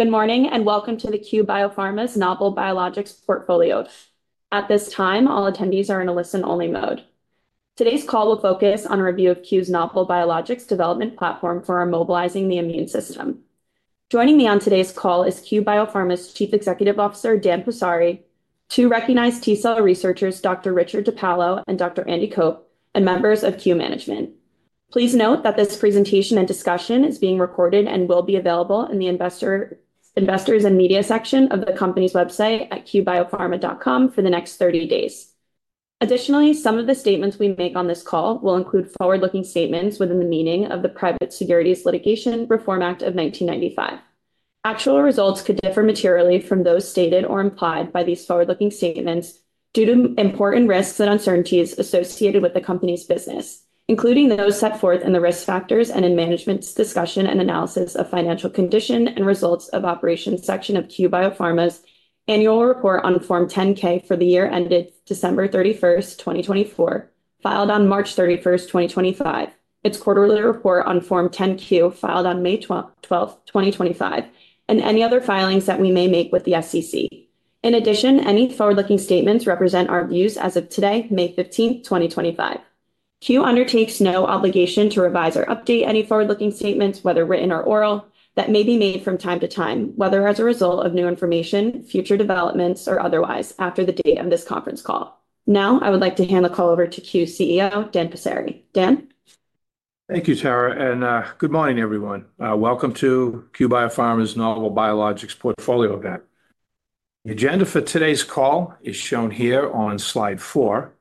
Good morning and welcome to Cue Biopharma's Novel Biologics portfolio. At this time, all attendees are in a listen-only mode. Today's call will focus on a review of Cue's Novel Biologics development platform for mobilizing the immune system. Joining me on today's call is Cue Biopharma's Chief Executive Officer, Dan Passeri, two recognized T cell researchers, Dr. Richard DiPaolo and Dr. Andy Cope, and members of Cue Management. Please note that this presentation and discussion is being recorded and will be available in the Investors and Media section of the company's website at cuebiopharma.com for the next 30 days. Additionally, some of the statements we make on this call will include forward-looking statements within the meaning of the Private Securities Litigation Reform Act of 1995. Actual results could differ materially from those stated or implied by these forward-looking statements due to important risks and uncertainties associated with the company's business, including those set forth in the risk factors and in management's discussion and analysis of financial condition and results of operations section of Cue Biopharma's annual report on Form 10-K for the year ended December 31st, 2024, filed on March 31st, 2025, its quarterly report on Form 10-Q filed on May 12, 2025, and any other filings that we may make with the SEC. In addition, any forward-looking statements represent our views as of today, May 15th, 2025. Cue undertakes no obligation to revise or update any forward-looking statements, whether written or oral, that may be made from time to time, whether as a result of new information, future developments, or otherwise after the date of this conference call. Now, I would like to hand the call over to Cue's CEO, Dan Passeri. Dan. Thank you, Tara, and good morning, everyone. Welcome to Cue Biopharma's Novel Biologics portfolio event. The agenda for today's call is shown here on slide four,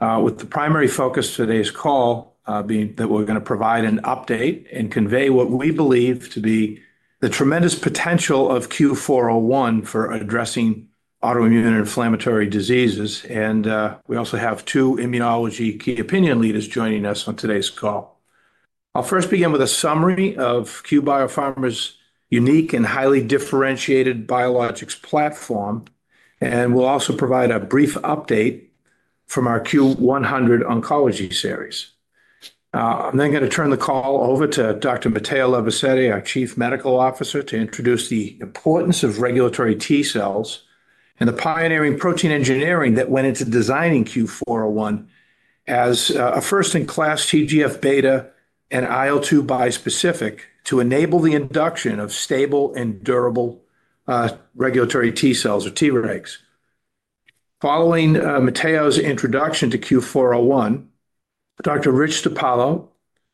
with the primary focus of today's call being that we're going to provide an update and convey what we believe to be the tremendous potential of CUE-401 for addressing autoimmune inflammatory diseases. We also have two immunology key opinion leaders joining us on today's call. I'll first begin with a summary of Cue Biopharma's unique and highly differentiated biologics platform, and we'll also provide a brief update from our CUE-100 oncology series. I'm then going to turn the call over to Dr. Matteo Levisetti, our Chief Medical Officer, to introduce the importance of regulatory T cells and the pioneering protein engineering that went into designing CUE-401 as a first-in-class TGF-β and IL-2 bispecific to enable the induction of stable and durable regulatory T cells orTregs. Following Matteo's introduction to CUE-401, Dr. Richard DiPaolo,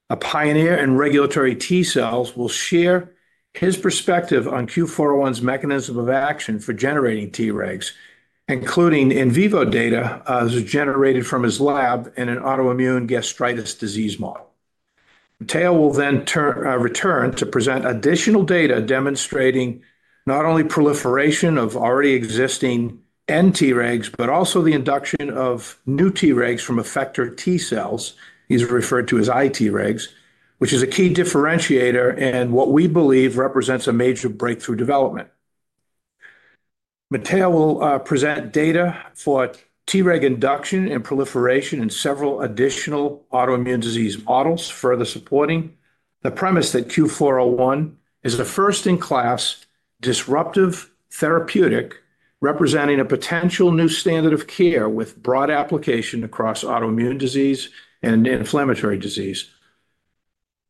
a pioneer in regulatory T cells, will share his perspective on CUE-401's mechanism of action for generating Tregs, including in vivo data that was generated from his lab in an autoimmune gastritis disease model. Matteo will then return to present additional data demonstrating not only proliferation of already existing nTregs, but also the induction of new Tregs from effector T cells, he's referred to as iTregs, which is a key differentiator and what we believe represents a major breakthrough development. Matteo will present data for Treg induction and proliferation in several additional autoimmune disease models, further supporting the premise that CUE-401 is a first-in-class disruptive therapeutic representing a potential new standard of care with broad application across autoimmune disease and inflammatory disease.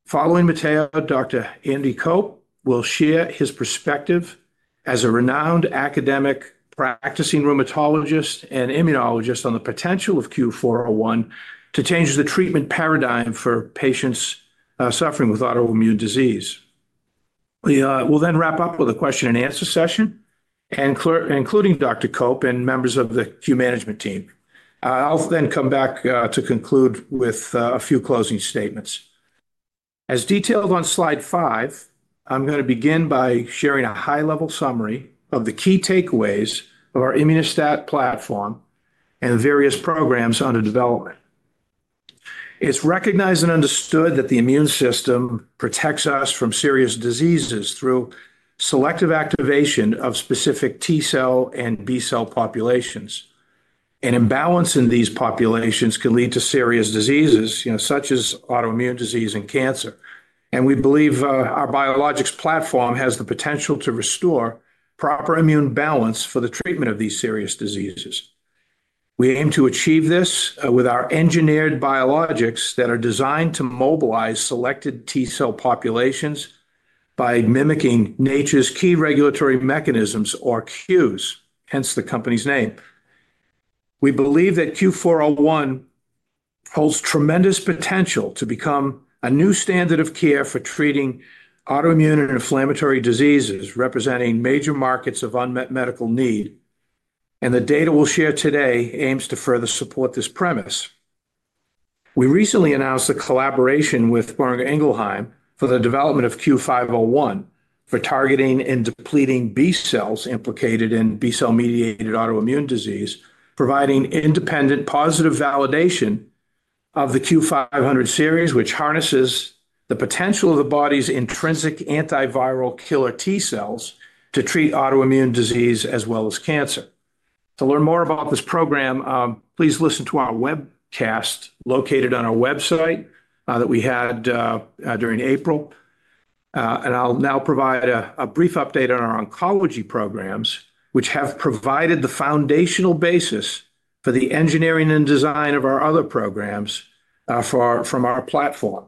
Following Matteo, Dr. Andy Cope will share his perspective as a renowned academic practicing rheumatologist and immunologist on the potential of CUE-401 to change the treatment paradigm for patients suffering with autoimmune disease. We'll then wrap up with a question-and-answer session, including Dr. Cope and members of the Cue Management Team. I'll then come back to conclude with a few closing statements. As detailed on slide five, I'm going to begin by sharing a high-level summary of the key takeaways of our Immuno-STAT platform and various programs under development. It's recognized and understood that the immune system protects us from serious diseases through selective activation of specific T cell and B-cell populations. An imbalance in these populations can lead to serious diseases, such as autoimmune disease and cancer. We believe our biologics platform has the potential to restore proper immune balance for the treatment of these serious diseases. We aim to achieve this with our engineered biologics that are designed to mobilize selected T cell populations by mimicking nature's key regulatory mechanisms, or cues, hence the company's name. We believe that CUE-401 holds tremendous potential to become a new standard of care for treating autoimmune and inflammatory diseases representing major markets of unmet medical need. The data we will share today aims to further support this premise. We recently announced a collaboration with Boehringer Ingelheim for the development of CUE-501 for targeting and depleting B-cells implicated in B-cell-mediated autoimmune disease, providing independent positive validation of the CUE-500 series, which harnesses the potential of the body's intrinsic antiviral killer T cells to treat autoimmune disease as well as cancer. To learn more about this program, please listen to our webcast located on our website that we had during April. I'll now provide a brief update on our oncology programs, which have provided the foundational basis for the engineering and design of our other programs from our platform.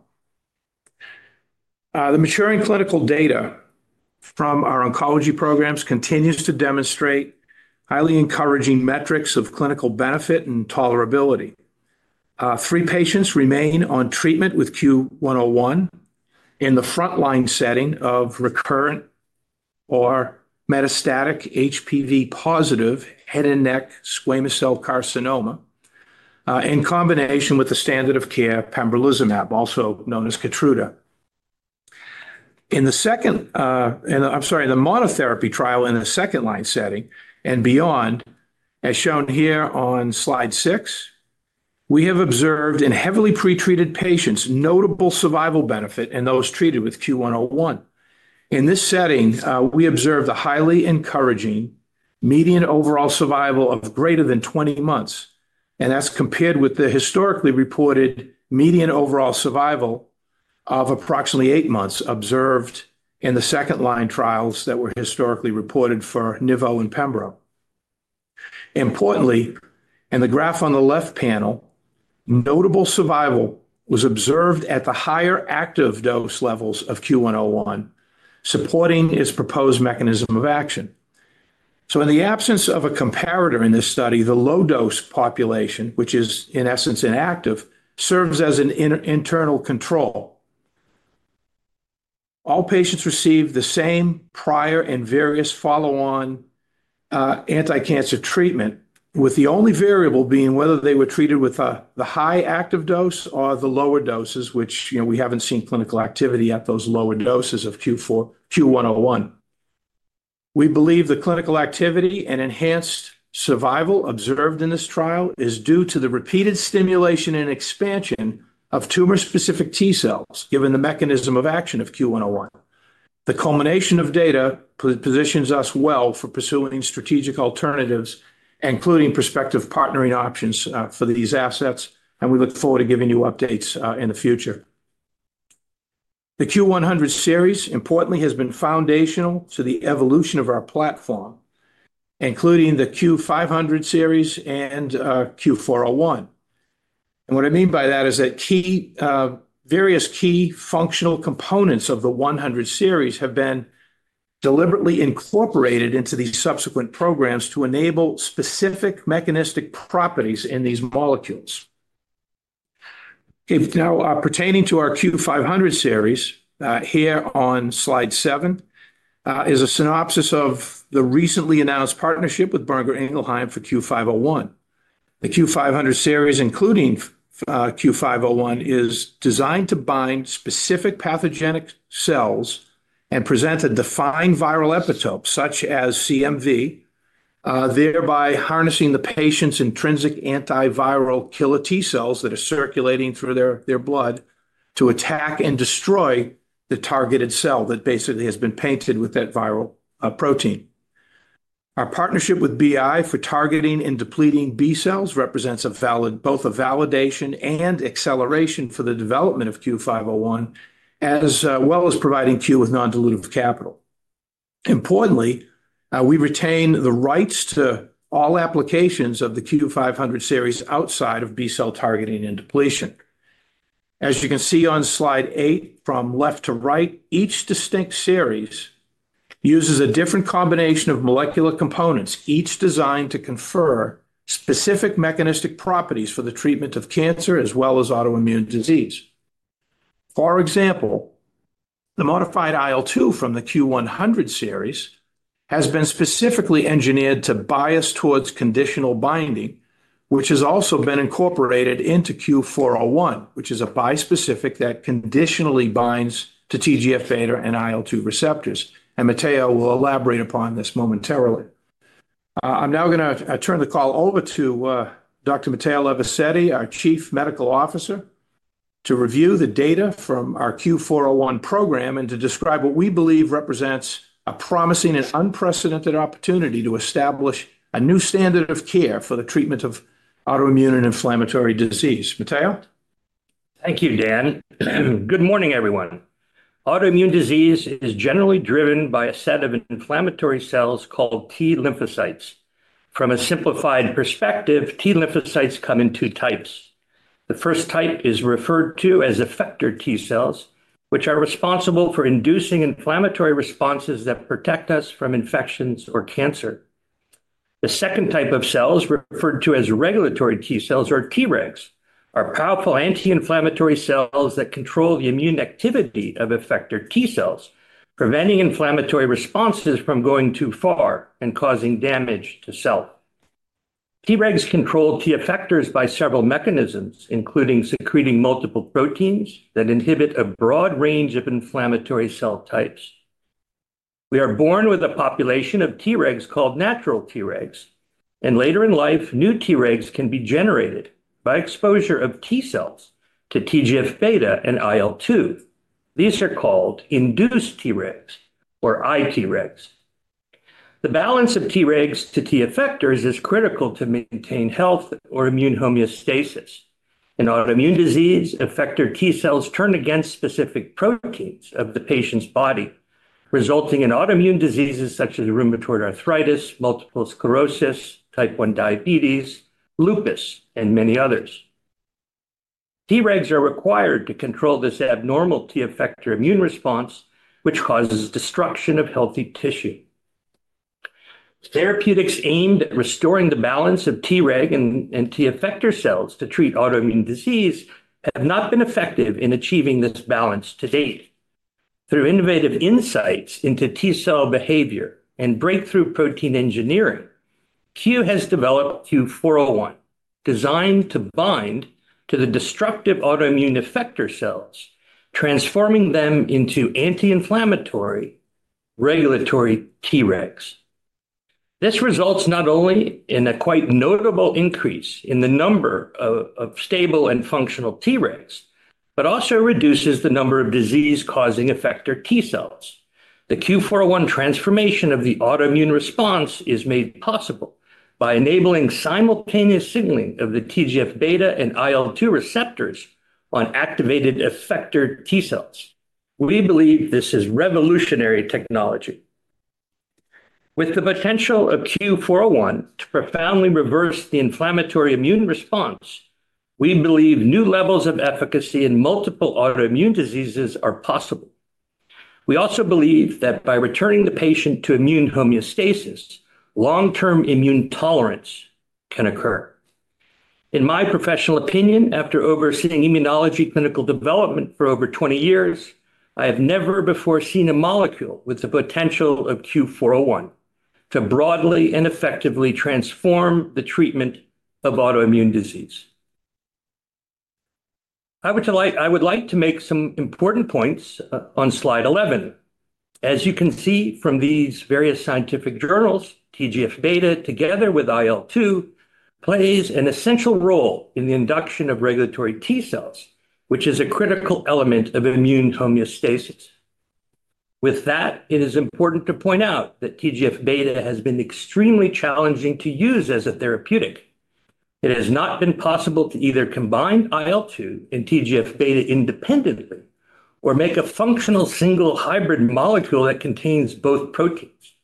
The maturing clinical data from our oncology programs continues to demonstrate highly encouraging metrics of clinical benefit and tolerability. Three patients remain on treatment with CUE-101 in the frontline setting of recurrent or metastatic HPV-positive head and neck squamous cell carcinoma in combination with the standard of care pembrolizumab, also known as Keytruda. In the monotherapy trial in the second-line setting and beyond, as shown here on slide six, we have observed in heavily pretreated patients notable survival benefit in those treated with CUE-101. In this setting, we observed a highly encouraging median overall survival of greater than 20 months. That is compared with the historically reported median overall survival of approximately eight months observed in the second-line trials that were historically reported for nivolumab and pembrolizumab. Importantly, in the graph on the left panel, notable survival was observed at the higher active dose levels of CUE-101, supporting its proposed mechanism of action. In the absence of a comparator in this study, the low-dose population, which is in essence inactive, serves as an internal control. All patients received the same prior and various follow-on anti-cancer treatment, with the only variable being whether they were treated with the high active dose or the lower doses, which we have not seen clinical activity at those lower doses of CUE-101. We believe the clinical activity and enhanced survival observed in this trial is due to the repeated stimulation and expansion of tumor-specific T cells, given the mechanism of action of CUE-101. The culmination of data positions us well for pursuing strategic alternatives, including prospective partnering options for these assets. We look forward to giving you updates in the future. The CUE-100 series, importantly, has been foundational to the evolution of our platform, including the CUE-500 series and CUE-401. What I mean by that is that various key functional components of the 100 series have been deliberately incorporated into these subsequent programs to enable specific mechanistic properties in these molecules. Now, pertaining to our CUE-500 series, here on slide seven is a synopsis of the recently announced partnership with Boehringer Ingelheim for CUE-501. The CUE-500 series, including CUE-501, is designed to bind specific pathogenic cells and present a defined viral epitope, such as CMV, thereby harnessing the patient's intrinsic antiviral killer T cells that are circulating through their blood to attack and destroy the targeted cell that basically has been painted with that viral protein. Our partnership with Boehringer Ingelheim for targeting and depleting B-cells represents both a validation and acceleration for the development of CUE-501, as well as providing Cue with non-dilutive capital. Importantly, we retain the rights to all applications of the CUE-500 series outside of B-cell targeting and depletion. As you can see on slide eight, from left to right, each distinct series uses a different combination of molecular components, each designed to confer specific mechanistic properties for the treatment of cancer as well as autoimmune disease. For example, the modified IL-2 from the CUE-100 series has been specifically engineered to bias towards conditional binding, which has also been incorporated into CUE-401, which is a bispecific that conditionally binds to TGF-β and IL-2 receptors. Matteo will elaborate upon this momentarily. I'm now going to turn the call over to Dr. Matteo Levisetti, our Chief Medical Officer, to review the data from our CUE-401 program and to describe what we believe represents a promising and unprecedented opportunity to establish a new standard of care for the treatment of autoimmune and inflammatory disease. Matteo? Thank you, Dan. Good morning, everyone. Autoimmune disease is generally driven by a set of inflammatory cells called T-lymphocytes. From a simplified perspective, T-lymphocytes come in two types. The first type is referred to as effector T cells, which are responsible for inducing inflammatory responses that protect us from infections or cancer. The second type of cells, referred to as regulatory T cells or Tregs, are powerful anti-inflammatory cells that control the immune activity of effector T cells, preventing inflammatory responses from going too far and causing damage to cells. Tregs control T-effectors by several mechanisms, including secreting multiple proteins that inhibit a broad range of inflammatory cell types. We are born with a population of Tregs called natural Tregs. Later in life, new Tregs can be generated by exposure of T cells to TGF-β and IL-2. These are called induced Tregs or iTregs. The balance of Tregs to T-effectors is critical to maintain health or immune homeostasis. In autoimmune disease, effector T cells turn against specific proteins of the patient's body, resulting in autoimmune diseases such as rheumatoid arthritis, multiple sclerosis, type 1 diabetes, lupus, and many others. Tregs are required to control this abnormal T-effector immune response, which causes destruction of healthy tissue. Therapeutics aimed at restoring the balance of Treg and T-effector cells to treat autoimmune disease have not been effective in achieving this balance to date. Through innovative insights into T cell behavior and breakthrough protein engineering, Cue has developed CUE-401, designed to bind to the destructive autoimmune effector cells, transforming them into anti-inflammatory regulatory Tregs. This results not only in a quite notable increase in the number of stable and functional Tregs, but also reduces the number of disease-causing effector T cells. The CUE-401 transformation of the autoimmune response is made possible by enabling simultaneous signaling of the TGF-β and IL-2 receptors on activated effector T cells. We believe this is revolutionary technology. With the potential of CUE-401 to profoundly reverse the inflammatory immune response, we believe new levels of efficacy in multiple autoimmune diseases are possible. We also believe that by returning the patient to immune homeostasis, long-term immune tolerance can occur. In my professional opinion, after overseeing immunology clinical development for over 20 years, I have never before seen a molecule with the potential of CUE-401 to broadly and effectively transform the treatment of autoimmune disease. I would like to make some important points on slide 11. As you can see from these various scientific journals, TGF-β, together with IL-2, plays an essential role in the induction of regulatory T cells, which is a critical element of immune homeostasis. With that, it is important to point out that TGF-β has been extremely challenging to use as a therapeutic. It has not been possible to either combine IL-2 and TGF-β independently or make a functional single hybrid molecule that contains both proteins.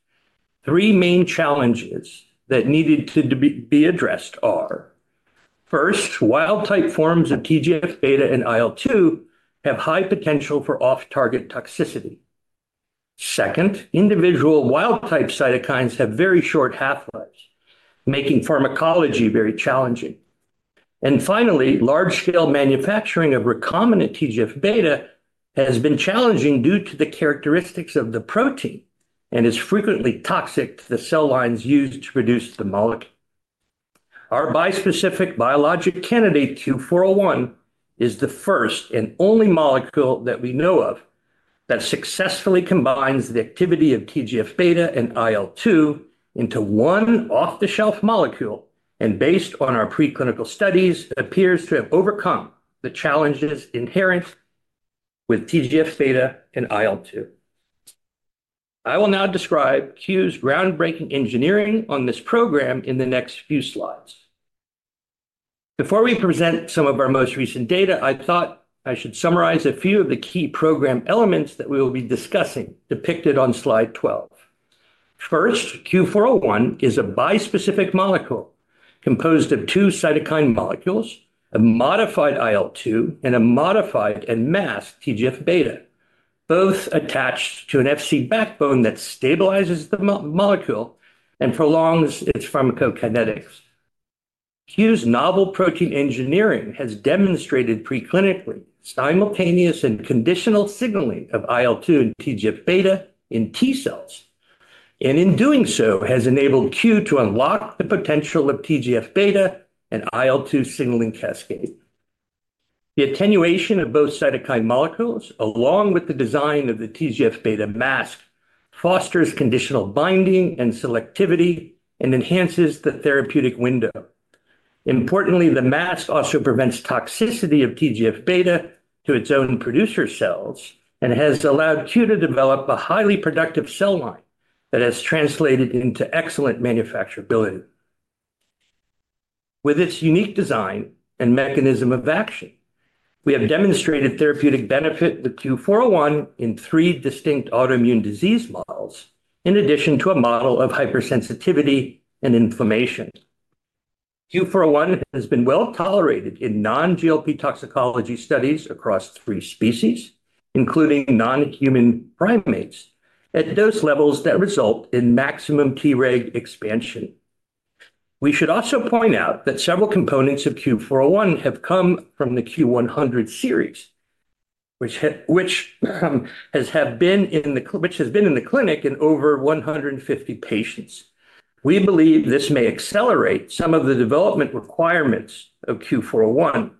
Three main challenges that needed to be addressed are: first, wild-type forms of TGF-β and IL-2 have high potential for off-target toxicity. Second, individual wild-type cytokines have very short half-lives, making pharmacology very challenging. Finally, large-scale manufacturing of recombinant TGF-β has been challenging due to the characteristics of the protein and is frequently toxic to the cell lines used to produce the molecule. Our bispecific biologic candidate, CUE-401, is the first and only molecule that we know of that successfully combines the activity of TGF-β and IL-2 into one off-the-shelf molecule and, based on our preclinical studies, appears to have overcome the challenges inherent with TGF-β and IL-2. I will now describe Cue's groundbreaking engineering on this program in the next few slides. Before we present some of our most recent data, I thought I should summarize a few of the key program elements that we will be discussing, depicted on slide 12. First, CUE-401 is a bispecific molecule composed of two cytokine molecules, a modified IL-2 and a modified masked TGF-β, both attached to an Fc backbone that stabilizes the molecule and prolongs its pharmacokinetics. Cue's novel protein engineering has demonstrated preclinically simultaneous and conditional signaling of IL-2 and TGF-β in T cells. In doing so, has enabled Cue to unlock the potential of TGF-β and IL-2 signaling cascade. The attenuation of both cytokine molecules, along with the design of the TGF-β mask, fosters conditional binding and selectivity and enhances the therapeutic window. Importantly, the mask also prevents toxicity of TGF-β to its own producer cells and has allowed Cue to develop a highly productive cell line that has translated into excellent manufacturability. With its unique design and mechanism of action, we have demonstrated therapeutic benefit with CUE-401 in three distinct autoimmune disease models, in addition to a model of hypersensitivity and inflammation. CUE-401 has been well tolerated in non-GLP toxicology studies across three species, including non-human primates, at dose levels that result in maximum Treg expansion. We should also point out that several components of CUE-401 have come from the CUE-100 series, which has been in the clinic in over 150 patients. We believe this may accelerate some of the development requirements of CUE-401.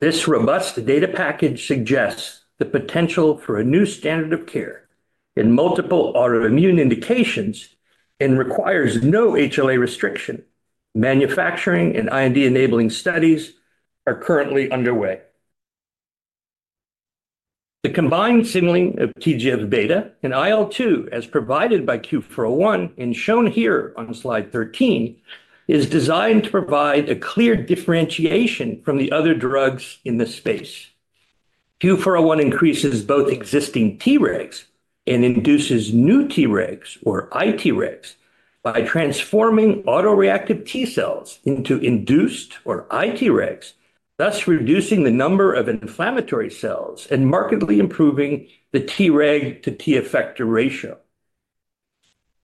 This robust data package suggests the potential for a new standard of care in multiple autoimmune indications and requires no HLA restriction. Manufacturing and IND-enabling studies are currently underway. The combined signaling of TGF-β and IL-2, as provided by CUE-401 and shown here on slide 13, is designed to provide a clear differentiation from the other drugs in this space. CUE-401 increases both existing Tregs and induces new Tregs or iTregs by transforming autoreactive T cells into induced or iTregs, thus reducing the number of inflammatory cells and markedly improving the Treg to T-effector ratio.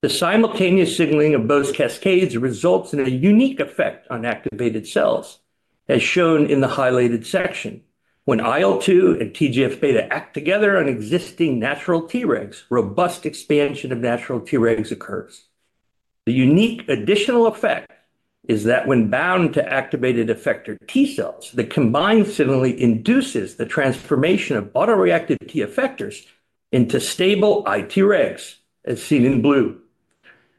The simultaneous signaling of both cascades results in a unique effect on activated cells, as shown in the highlighted section. When IL-2 and TGF-β act together on existing natural Tregs, robust expansion of natural Tregs occurs. The unique additional effect is that when bound to activated effector T cells, the combined signaling induces the transformation of autoreactive T-effectors into stable iTregs, as seen in blue.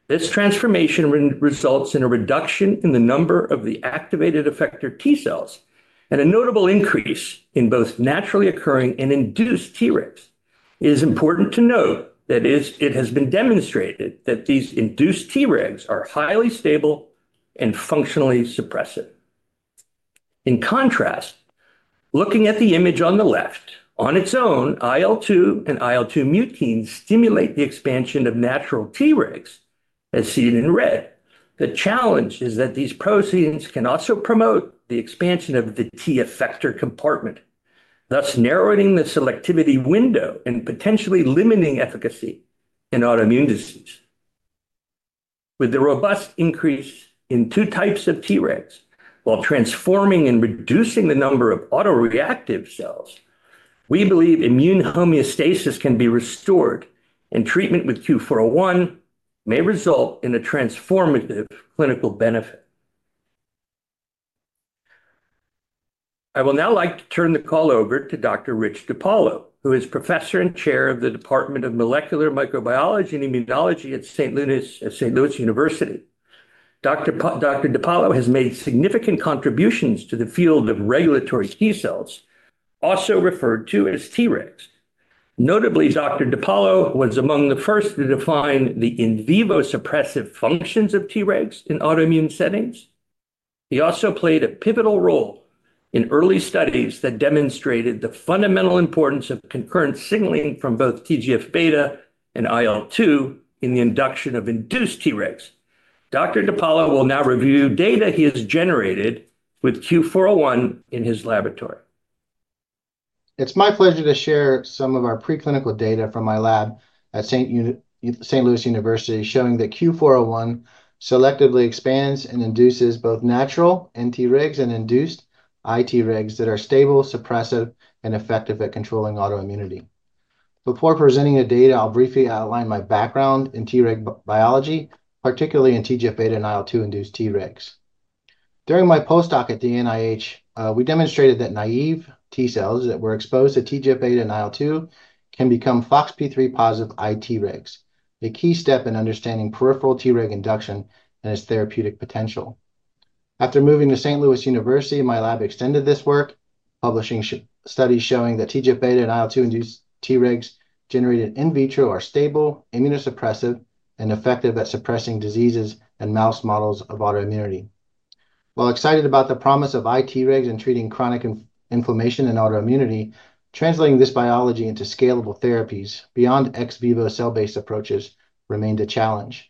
This transformation results in a reduction in the number of the activated effector T cells and a notable increase in both naturally occurring and induced Tregs. It is important to note that it has been demonstrated that these induced Tregs are highly stable and functionally suppressive. In contrast, looking at the image on the left, on its own, IL-2 and IL-2 mutines stimulate the expansion of natural Tregs, as seen in red. The challenge is that these proteins can also promote the expansion of the T-effector compartment, thus narrowing the selectivity window and potentially limiting efficacy in autoimmune disease. With the robust increase in two types of Tregs, while transforming and reducing the number of autoreactive cells, we believe immune homeostasis can be restored and treatment with CUE-401 may result in a transformative clinical benefit. I would now like to turn the call over to Dr. Richard DiPaolo, who is Professor and Chair of the Department of Molecular Microbiology and Immunology at Saint Louis University. Dr. DiPaolo has made significant contributions to the field of regulatory T cells, also referred to as Tregs. Notably, Dr. DiPaolo was among the first to define the in vivo suppressive functions of Tregs in autoimmune settings. He also played a pivotal role in early studies that demonstrated the fundamental importance of concurrent signaling from both TGF-β and IL-2 in the induction of induced Tregs. Dr. DiPaolo will now review data he has generated with CUE-401 in his laboratory. It's my pleasure to share some of our preclinical data from my lab at Saint Louis University, showing that CUE-401 selectively expands and induces both natural Tregs and induced iTregs that are stable, suppressive, and effective at controlling autoimmunity. Before presenting the data, I'll briefly outline my background in Treg biology, particularly in TGF-β and IL-2 induced Tregs. During my postdoc at the NIH, we demonstrated that naive T cells that were exposed to TGF-β and IL-2 can become FOXP3+ iTregs, a key step in understanding peripheral Treg induction and its therapeutic potential. After moving to Saint Louis University, my lab extended this work, publishing studies showing that TGF-β and IL-2 induced Tregs generated in vitro are stable, immunosuppressive, and effective at suppressing diseases in mouse models of autoimmunity. While excited about the promise of iTregs in treating chronic inflammation and autoimmunity, translating this biology into scalable therapies beyond ex vivo cell-based approaches remained a challenge.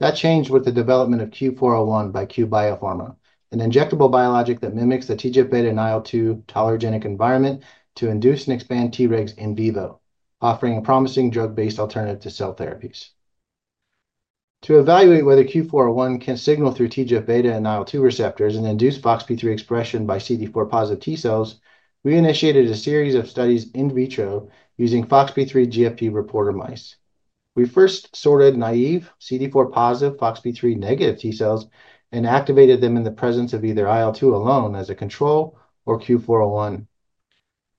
That changed with the development of CUE-401 by Cue Biopharma, an injectable biologic that mimics the TGF-β and IL-2 tolerogenic environment to induce and expand Tregs in vivo, offering a promising drug-based alternative to cell therapies. To evaluate whether CUE-401 can signal through TGF-β and IL-2 receptors and induce FOXP3 expression by CD4+ T cells, we initiated a series of studies in vitro using FOXP3 GFP reporter mice. We first sorted naive CD4+ FOXP3- T cells and activated them in the presence of either IL-2 alone as a control or CUE-401.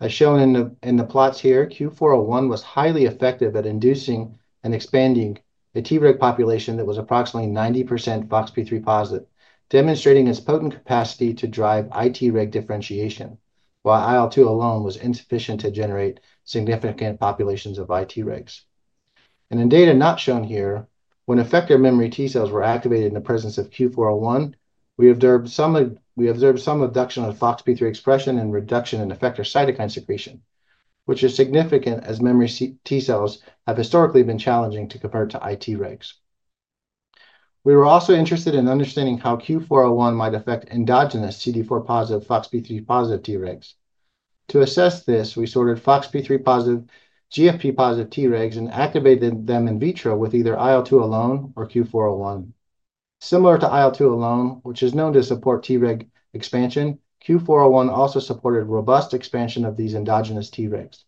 As shown in the plots here, CUE-401 was highly effective at inducing and expanding a Treg population that was approximately 90% FOXP3+, demonstrating its potent capacity to drive iTreg differentiation, while IL-2 alone was insufficient to generate significant populations of iTregs. In data not shown here, when effector memory T cells were activated in the presence of CUE-401, we observed some induction of FOXP3 expression and reduction in effector cytokine secretion, which is significant as memory T cells have historically been challenging to convert to iTregs. We were also interested in understanding how CUE-401 might affect endogenous CD4+ FOXP3+ Tregs. To assess this, we sorted FOXP3+, GFP-positive Tregs and activated them in vitro with either IL-2 alone or CUE-401. Similar to IL-2 alone, which is known to support Treg expansion, CUE-401 also supported robust expansion of these endogenous Tregs.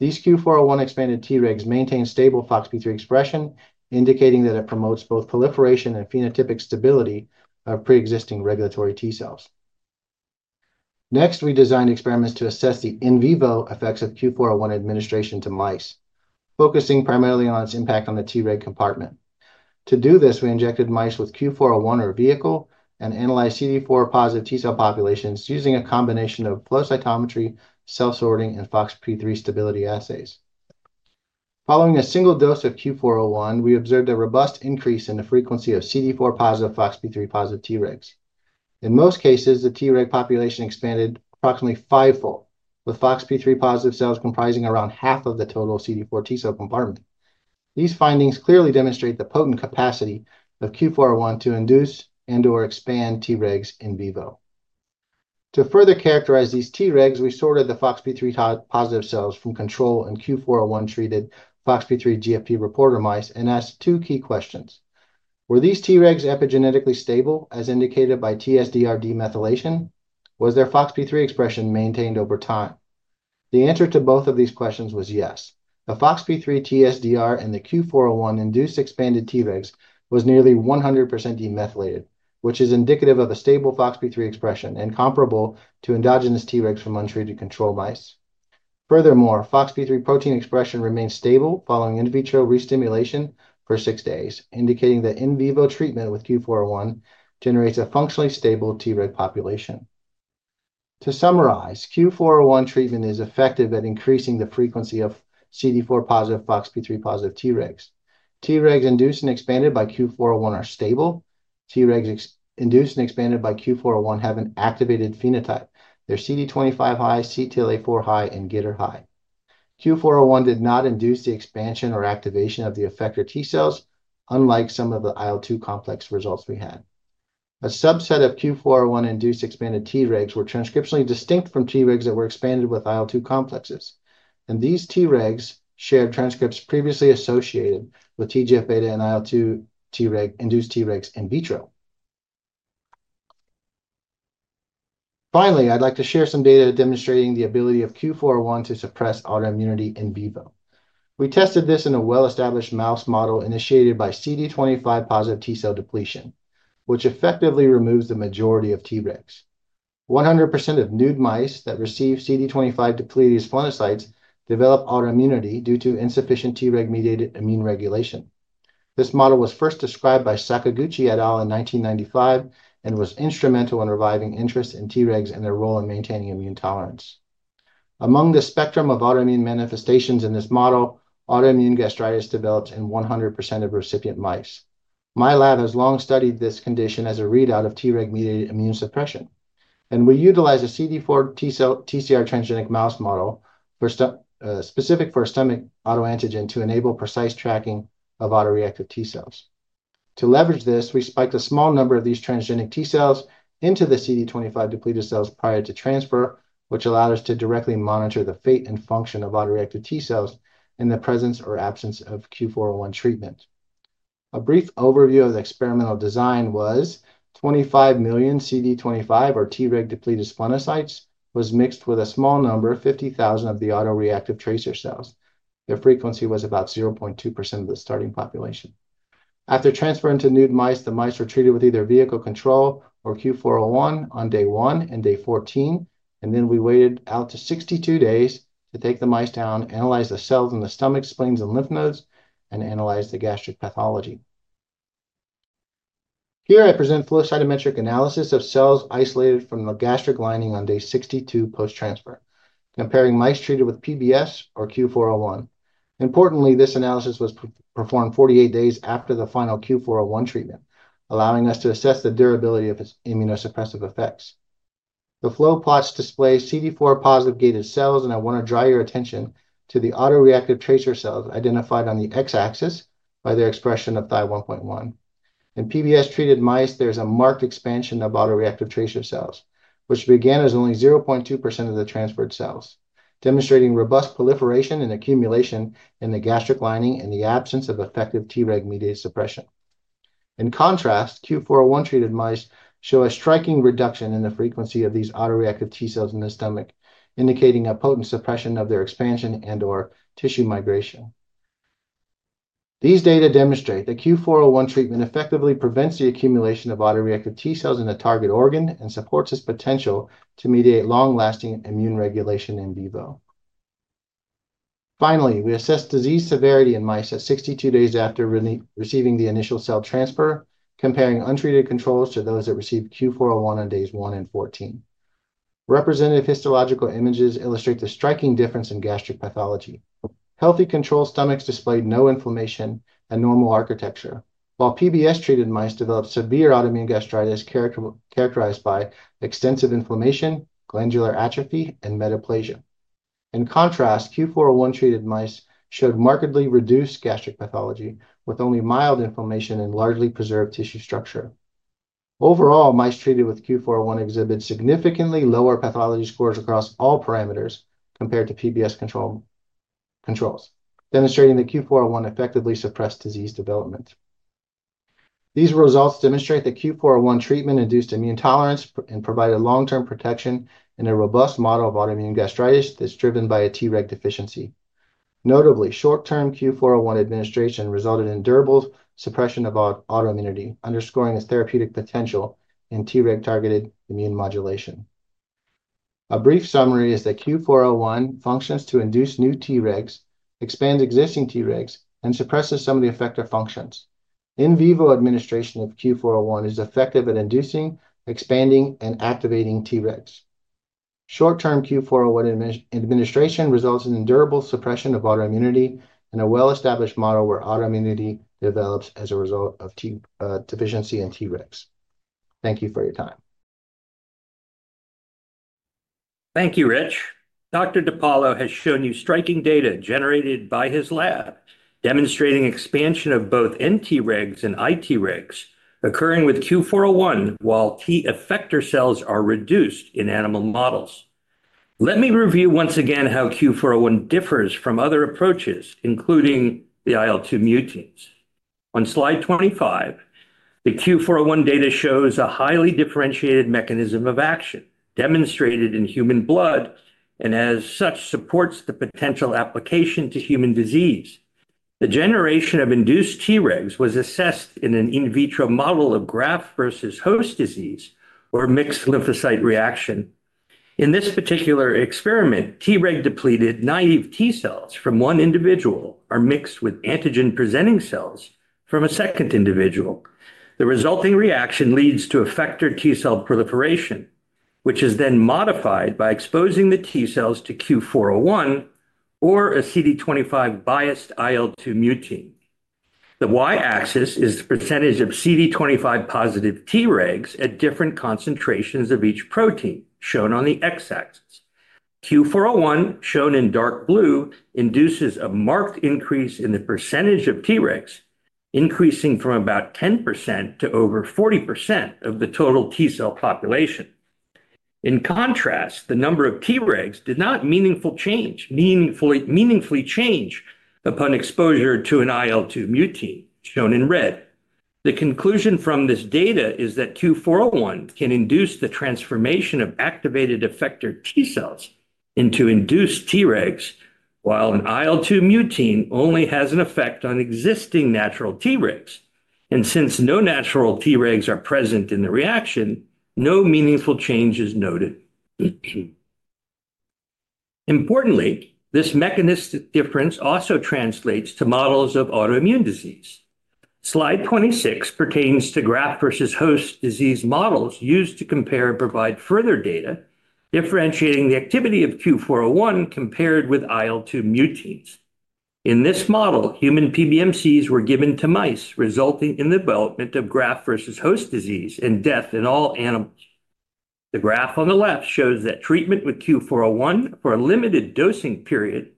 These CUE-401-expanded Tregs maintain stable FOXP3 expression, indicating that it promotes both proliferation and phenotypic stability of pre-existing regulatory T cells. Next, we designed experiments to assess the in vivo effects of CUE-401 administration to mice, focusing primarily on its impact on the Treg compartment. To do this, we injected mice with CUE-401 or a vehicle and analyzed CD4+ T cell populations using a combination of flow cytometry, cell sorting, and FOXP3 stability assays. Following a single dose of CUE-401, we observed a robust increase in the frequency of CD4+ FOXP3+ Tregs. In most cases, the Treg population expanded approximately fivefold, with FOXP3+ cells comprising around half of the total CD4 T cell compartment. These findings clearly demonstrate the potent capacity of CUE-401 to induce and/or expand Tregs in vivo. To further characterize these Tregs, we sorted the FOXP3+ cells from control and CUE-401-treated FOXP3 GFP reporter mice and asked two key questions. Were these Tregs epigenetically stable, as indicated by TSDR demethylation? Was their FOXP3 expression maintained over time? The answer to both of these questions was yes. The FOXP3 TSDR and the CUE-401-induced expanded Tregs was nearly 100% demethylated, which is indicative of a stable FOXP3 expression and comparable to endogenous Tregs from untreated control mice. Furthermore, FOXP3 protein expression remained stable following in vitro restimulation for six days, indicating that in vivo treatment with CUE-401 generates a functionally stable Treg population. To summarize, CUE-401 treatment is effective at increasing the frequency of CD4+ FOXP3+ Tregs. Tregs induced and expanded by CUE-401 are stable. Tregs induced and expanded by CUE-401 have an activated phenotype. They're CD25 high, CTLA-4 high, and GITR high. CUE-401 did not induce the expansion or activation of the effector T cells, unlike some of the IL-2 complex results we had. A subset of CUE-401-induced expanded Tregs were transcriptionally distinct from Tregs that were expanded with IL-2 complexes. These Tregs shared transcripts previously associated with TGF-β and IL-2 induced Tregs in vitro. Finally, I'd like to share some data demonstrating the ability of CUE-401 to suppress autoimmunity in vivo. We tested this in a well-established mouse model initiated by CD25+ T cell depletion, which effectively removes the majority of Tregs. 100% of nude mice that receive CD25 depleted splenocytes develop autoimmunity due to insufficient Treg-mediated immune regulation. This model was first described by Sakaguchi et al. in 1995 and was instrumental in reviving interest in Tregs and their role in maintaining immune tolerance. Among the spectrum of autoimmune manifestations in this model, autoimmune gastritis develops in 100% of recipient mice. My lab has long studied this condition as a readout of Treg-mediated immune suppression. We utilize a CD4 TCR transgenic mouse model specific for a stomach autoantigen to enable precise tracking of autoreactive T cells. To leverage this, we spiked a small number of these transgenic T cells into the CD25 depleted cells prior to transfer, which allowed us to directly monitor the fate and function of autoreactive T cells in the presence or absence of CUE-401 treatment. A brief overview of the experimental design was 25 million CD25 or Treg depleted splenocytes was mixed with a small number of 50,000 of the autoreactive tracer cells. Their frequency was about 0.2% of the starting population. After transferring to nude mice, the mice were treated with either vehicle control or CUE-401 on day one and day 14. We waited out to 62 days to take the mice down, analyze the cells in the stomach, spleens, and lymph nodes, and analyze the gastric pathology. Here, I present flow cytometric analysis of cells isolated from the gastric lining on day 62 post-transfer, comparing mice treated with PBS or CUE-401. Importantly, this analysis was performed 48 days after the final CUE-401 treatment, allowing us to assess the durability of its immunosuppressive effects. The flow plots display CD4+ gated cells, and I want to draw your attention to the autoreactive tracer cells identified on the x-axis by their expression of Thy1.1. In PBS-treated mice, there is a marked expansion of autoreactive tracer cells, which began as only 0.2% of the transferred cells, demonstrating robust proliferation and accumulation in the gastric lining in the absence of effective Treg-mediated suppression. In contrast, CUE-401-treated mice show a striking reduction in the frequency of these autoreactive T cells in the stomach, indicating a potent suppression of their expansion and/or tissue migration. These data demonstrate that CUE-401 treatment effectively prevents the accumulation of autoreactive T cells in the target organ and supports its potential to mediate long-lasting immune regulation in vivo. Finally, we assessed disease severity in mice at 62 days after receiving the initial cell transfer, comparing untreated controls to those that received CUE-401 on days 1 and 14. Representative histological images illustrate the striking difference in gastric pathology. Healthy control stomachs displayed no inflammation and normal architecture, while PBS-treated mice developed severe autoimmune gastritis characterized by extensive inflammation, glandular atrophy, and metaplasia. In contrast, CUE-401-treated mice showed markedly reduced gastric pathology with only mild inflammation and largely preserved tissue structure. Overall, mice treated with CUE-401 exhibited significantly lower pathology scores across all parameters compared to PBS controls, demonstrating that CUE-401 effectively suppressed disease development. These results demonstrate that CUE-401 treatment induced immune tolerance and provided long-term protection in a robust model of autoimmune gastritis that's driven by a Treg deficiency. Notably, short-term CUE-401 administration resulted in durable suppression of autoimmunity, underscoring its therapeutic potential in Treg-targeted immune modulation. A brief summary is that CUE-401 functions to induce new Tregs, expands existing Tregs, and suppresses some of the effector functions. In vivo administration of CUE-401 is effective at inducing, expanding, and activating Tregs. Short-term CUE-401 administration results in durable suppression of autoimmunity in a well-established model where autoimmunity develops as a result of deficiency in Tregs. Thank you for your time. Thank you, Rich. Dr. DiPaolo has shown you striking data generated by his lab, demonstrating expansion of both nTregs and iTregs occurring with CUE-401 while T effector cells are reduced in animal models. Let me review once again how CUE-401 differs from other approaches, including the IL-2 mutants. On slide 25, the CUE-401 data shows a highly differentiated mechanism of action demonstrated in human blood and, as such, supports the potential application to human disease. The generation of induced Tregs was assessed in an in vitro model of graft-versus-host disease or mixed lymphocyte reaction. In this particular experiment, Treg-depleted naive T cells from one individual are mixed with antigen-presenting cells from a second individual. The resulting reaction leads to effector T cell proliferation, which is then modified by exposing the T cells to CUE-401 or a CD25-biased IL-2 mutant. The y-axis is the percentage of CD25+ Tregs at different concentrations of each protein, shown on the x-axis. CUE-401, shown in dark blue, induces a marked increase in the percentage of Tregs, increasing from about 10% to over 40% of the total T cell population. In contrast, the number of Tregs did not meaningfully change upon exposure to an IL-2 mutant, shown in red. The conclusion from this data is that CUE-401 can induce the transformation of activated effector T cells into induced Tregs, while an IL-2 mutant only has an effect on existing natural Tregs. Since no natural Tregs are present in the reaction, no meaningful change is noted. Importantly, this mechanistic difference also translates to models of autoimmune disease. Slide 26 pertains to graft-versus-host disease models used to compare and provide further data, differentiating the activity of CUE-401 compared with IL-2 mutants. In this model, human PBMCs were given to mice, resulting in the development of graft-versus-host disease and death in all animals. The graph on the left shows that treatment with CUE-401 for a limited dosing period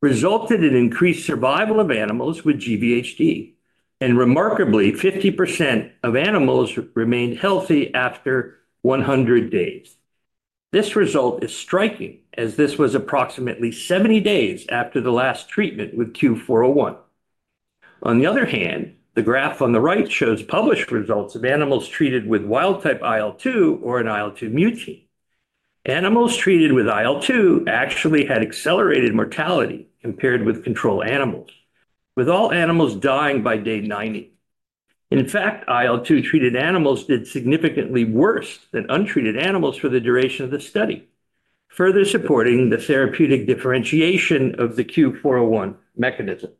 resulted in increased survival of animals with GVHD. Remarkably, 50% of animals remained healthy after 100 days. This result is striking, as this was approximately 70 days after the last treatment with CUE-401. The graph on the right shows published results of animals treated with wild-type IL-2 or an IL-2 mutant. Animals treated with IL-2 actually had accelerated mortality compared with control animals, with all animals dying by day 90. In fact, IL-2-treated animals did significantly worse than untreated animals for the duration of the study, further supporting the therapeutic differentiation of the CUE-401 mechanism.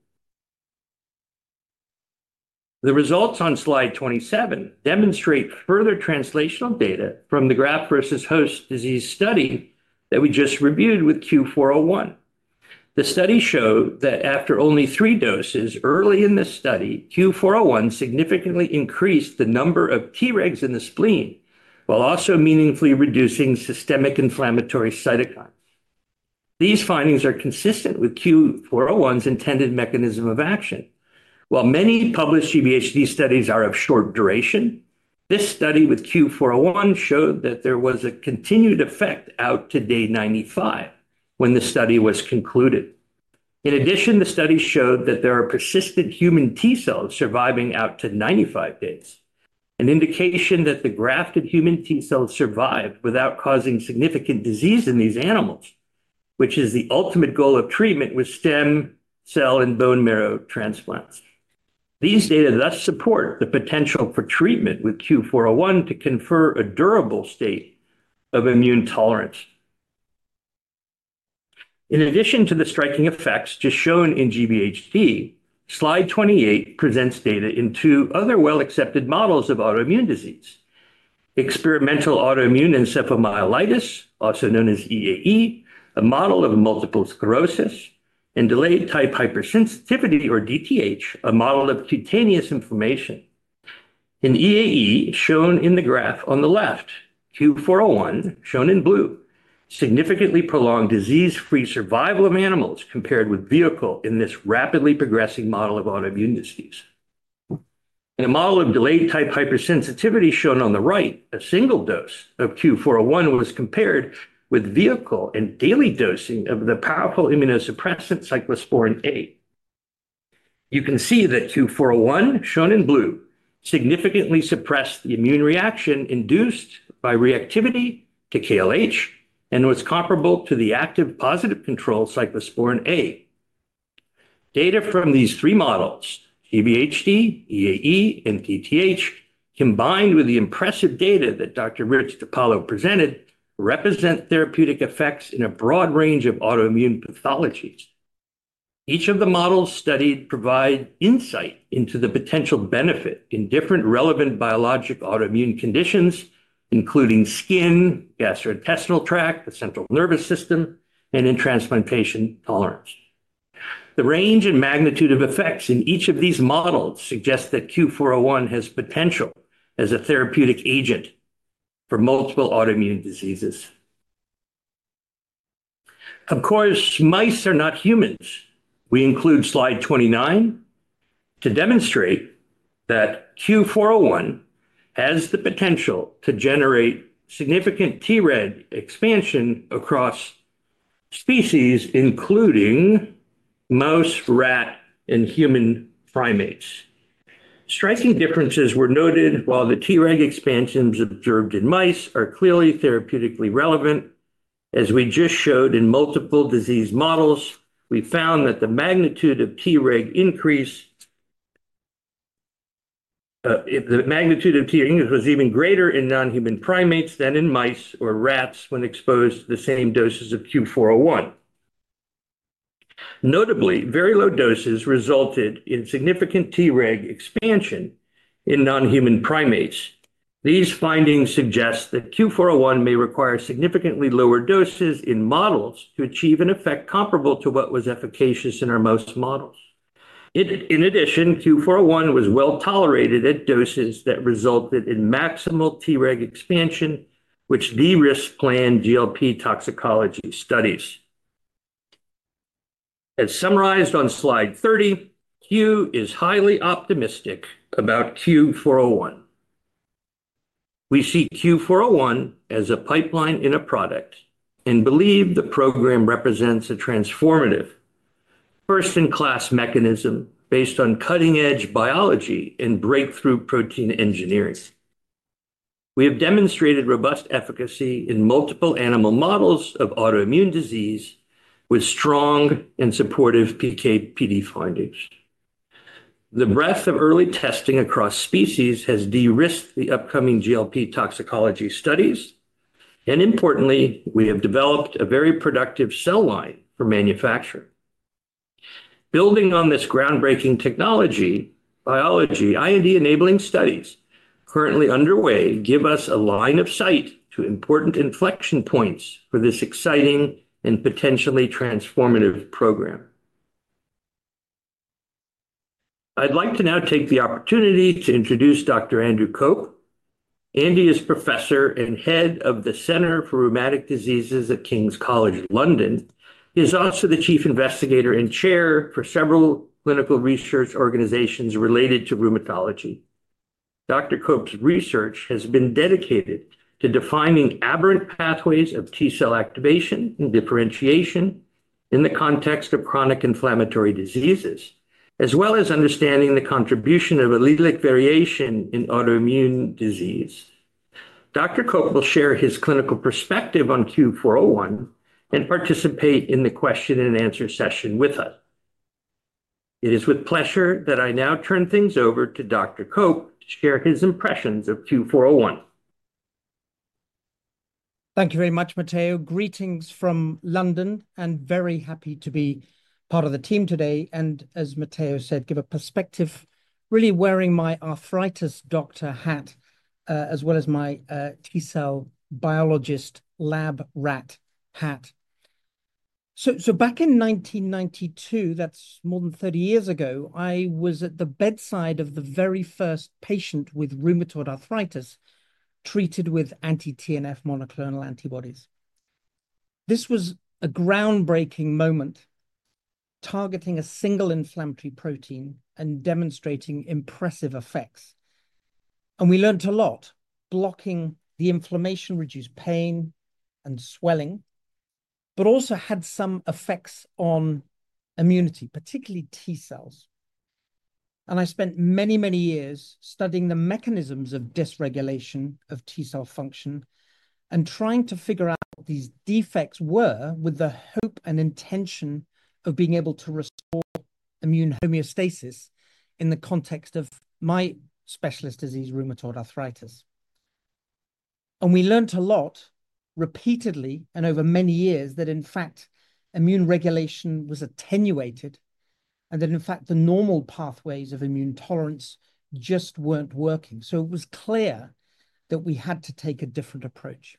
The results on slide 27 demonstrate further translational data from the graft-versus-host disease study that we just reviewed with CUE-401. The study showed that after only three doses early in this study, CUE-401 significantly increased the number of Tregs in the spleen, while also meaningfully reducing systemic inflammatory cytokines. These findings are consistent with CUE-401's intended mechanism of action. While many published GVHD studies are of short duration, this study with CUE-401 showed that there was a continued effect out to day 95 when the study was concluded. In addition, the study showed that there are persistent human T cells surviving out to 95 days, an indication that the grafted human T cells survived without causing significant disease in these animals, which is the ultimate goal of treatment with stem cell and bone marrow transplants. These data thus support the potential for treatment with CUE-401 to confer a durable state of immune tolerance. In addition to the striking effects just shown in GVHD, slide 28 presents data in two other well-accepted models of autoimmune disease: experimental autoimmune encephalomyelitis, also known as EAE, a model of multiple sclerosis, and delayed-type hypersensitivity, or DTH, a model of cutaneous inflammation. In EAE, shown in the graph on the left, CUE-401, shown in blue, significantly prolonged disease-free survival of animals compared with vehicle in this rapidly progressing model of autoimmune disease. In a model of delayed-type hypersensitivity shown on the right, a single dose of CUE-401 was compared with vehicle and daily dosing of the powerful immunosuppressant cyclosporin A. You can see that CUE-401, shown in blue, significantly suppressed the immune reaction induced by reactivity to KLH and was comparable to the active positive control cyclosporin A. Data from these three models, GVHD, EAE, and DTH, combined with the impressive data that Dr. Rich DiPaolo presented, represent therapeutic effects in a broad range of autoimmune pathologies. Each of the models studied provides insight into the potential benefit in different relevant biologic autoimmune conditions, including skin, gastrointestinal tract, the central nervous system, and in transplantation tolerance. The range and magnitude of effects in each of these models suggest that CUE-401 has potential as a therapeutic agent for multiple autoimmune diseases. Of course, mice are not humans. We include slide 29 to demonstrate that CUE-401 has the potential to generate significant Treg expansion across species, including mouse, rat, and human primates. Striking differences were noted while the Treg expansions observed in mice are clearly therapeutically relevant. As we just showed in multiple disease models, we found that the magnitude of Treg increase was even greater in non-human primates than in mice or rats when exposed to the same doses of CUE-401. Notably, very low doses resulted in significant Treg expansion in non-human primates. These findings suggest that CUE-401 may require significantly lower doses in models to achieve an effect comparable to what was efficacious in our mouse models. In addition, CUE-401 was well tolerated at doses that resulted in maximal Treg expansion, which de-risked planned GLP toxicology studies. As summarized on slide 30, Cue is highly optimistic about CUE-401. We see CUE-401 as a pipeline in a product and believe the program represents a transformative, first-in-class mechanism based on cutting-edge biology and breakthrough protein engineering. We have demonstrated robust efficacy in multiple animal models of autoimmune disease with strong and supportive PK/PD findings. The breadth of early testing across species has de-risked the upcoming GLP toxicology studies. Importantly, we have developed a very productive cell line for manufacturing. Building on this groundbreaking technology, biology, IND-enabling studies currently underway give us a line of sight to important inflection points for this exciting and potentially transformative program. I'd like to now take the opportunity to introduce Dr. Andrew Cope. Andy is Professor and Head of the Center for Rheumatic Diseases at King's College London. He is also the chief investigator and chair for several clinical research organizations related to rheumatology. Dr. Cope's research has been dedicated to defining aberrant pathways of T cell activation and differentiation in the context of chronic inflammatory diseases, as well as understanding the contribution of allelic variation in autoimmune disease. Dr. Cope will share his clinical perspective on CUE-401 and participate in the question-and-answer session with us. It is with pleasure that I now turn things over to Dr. Cope to share his impressions of CUE-401. Thank you very much, Matteo. Greetings from London, and very happy to be part of the team today. As Matteo said, give a perspective, really wearing my arthritis doctor hat, as well as my T cell biologist lab rat hat. Back in 1992, that is more than 30 years ago, I was at the bedside of the very first patient with rheumatoid arthritis treated with anti-TNF monoclonal antibodies. This was a groundbreaking moment, targeting a single inflammatory protein and demonstrating impressive effects. We learned a lot, blocking the inflammation, reduced pain and swelling, but also had some effects on immunity, particularly T cells. I spent many, many years studying the mechanisms of dysregulation of T cell function and trying to figure out what these defects were with the hope and intention of being able to restore immune homeostasis in the context of my specialist disease, rheumatoid arthritis. We learned a lot repeatedly and over many years that, in fact, immune regulation was attenuated and that, in fact, the normal pathways of immune tolerance just were not working. It was clear that we had to take a different approach.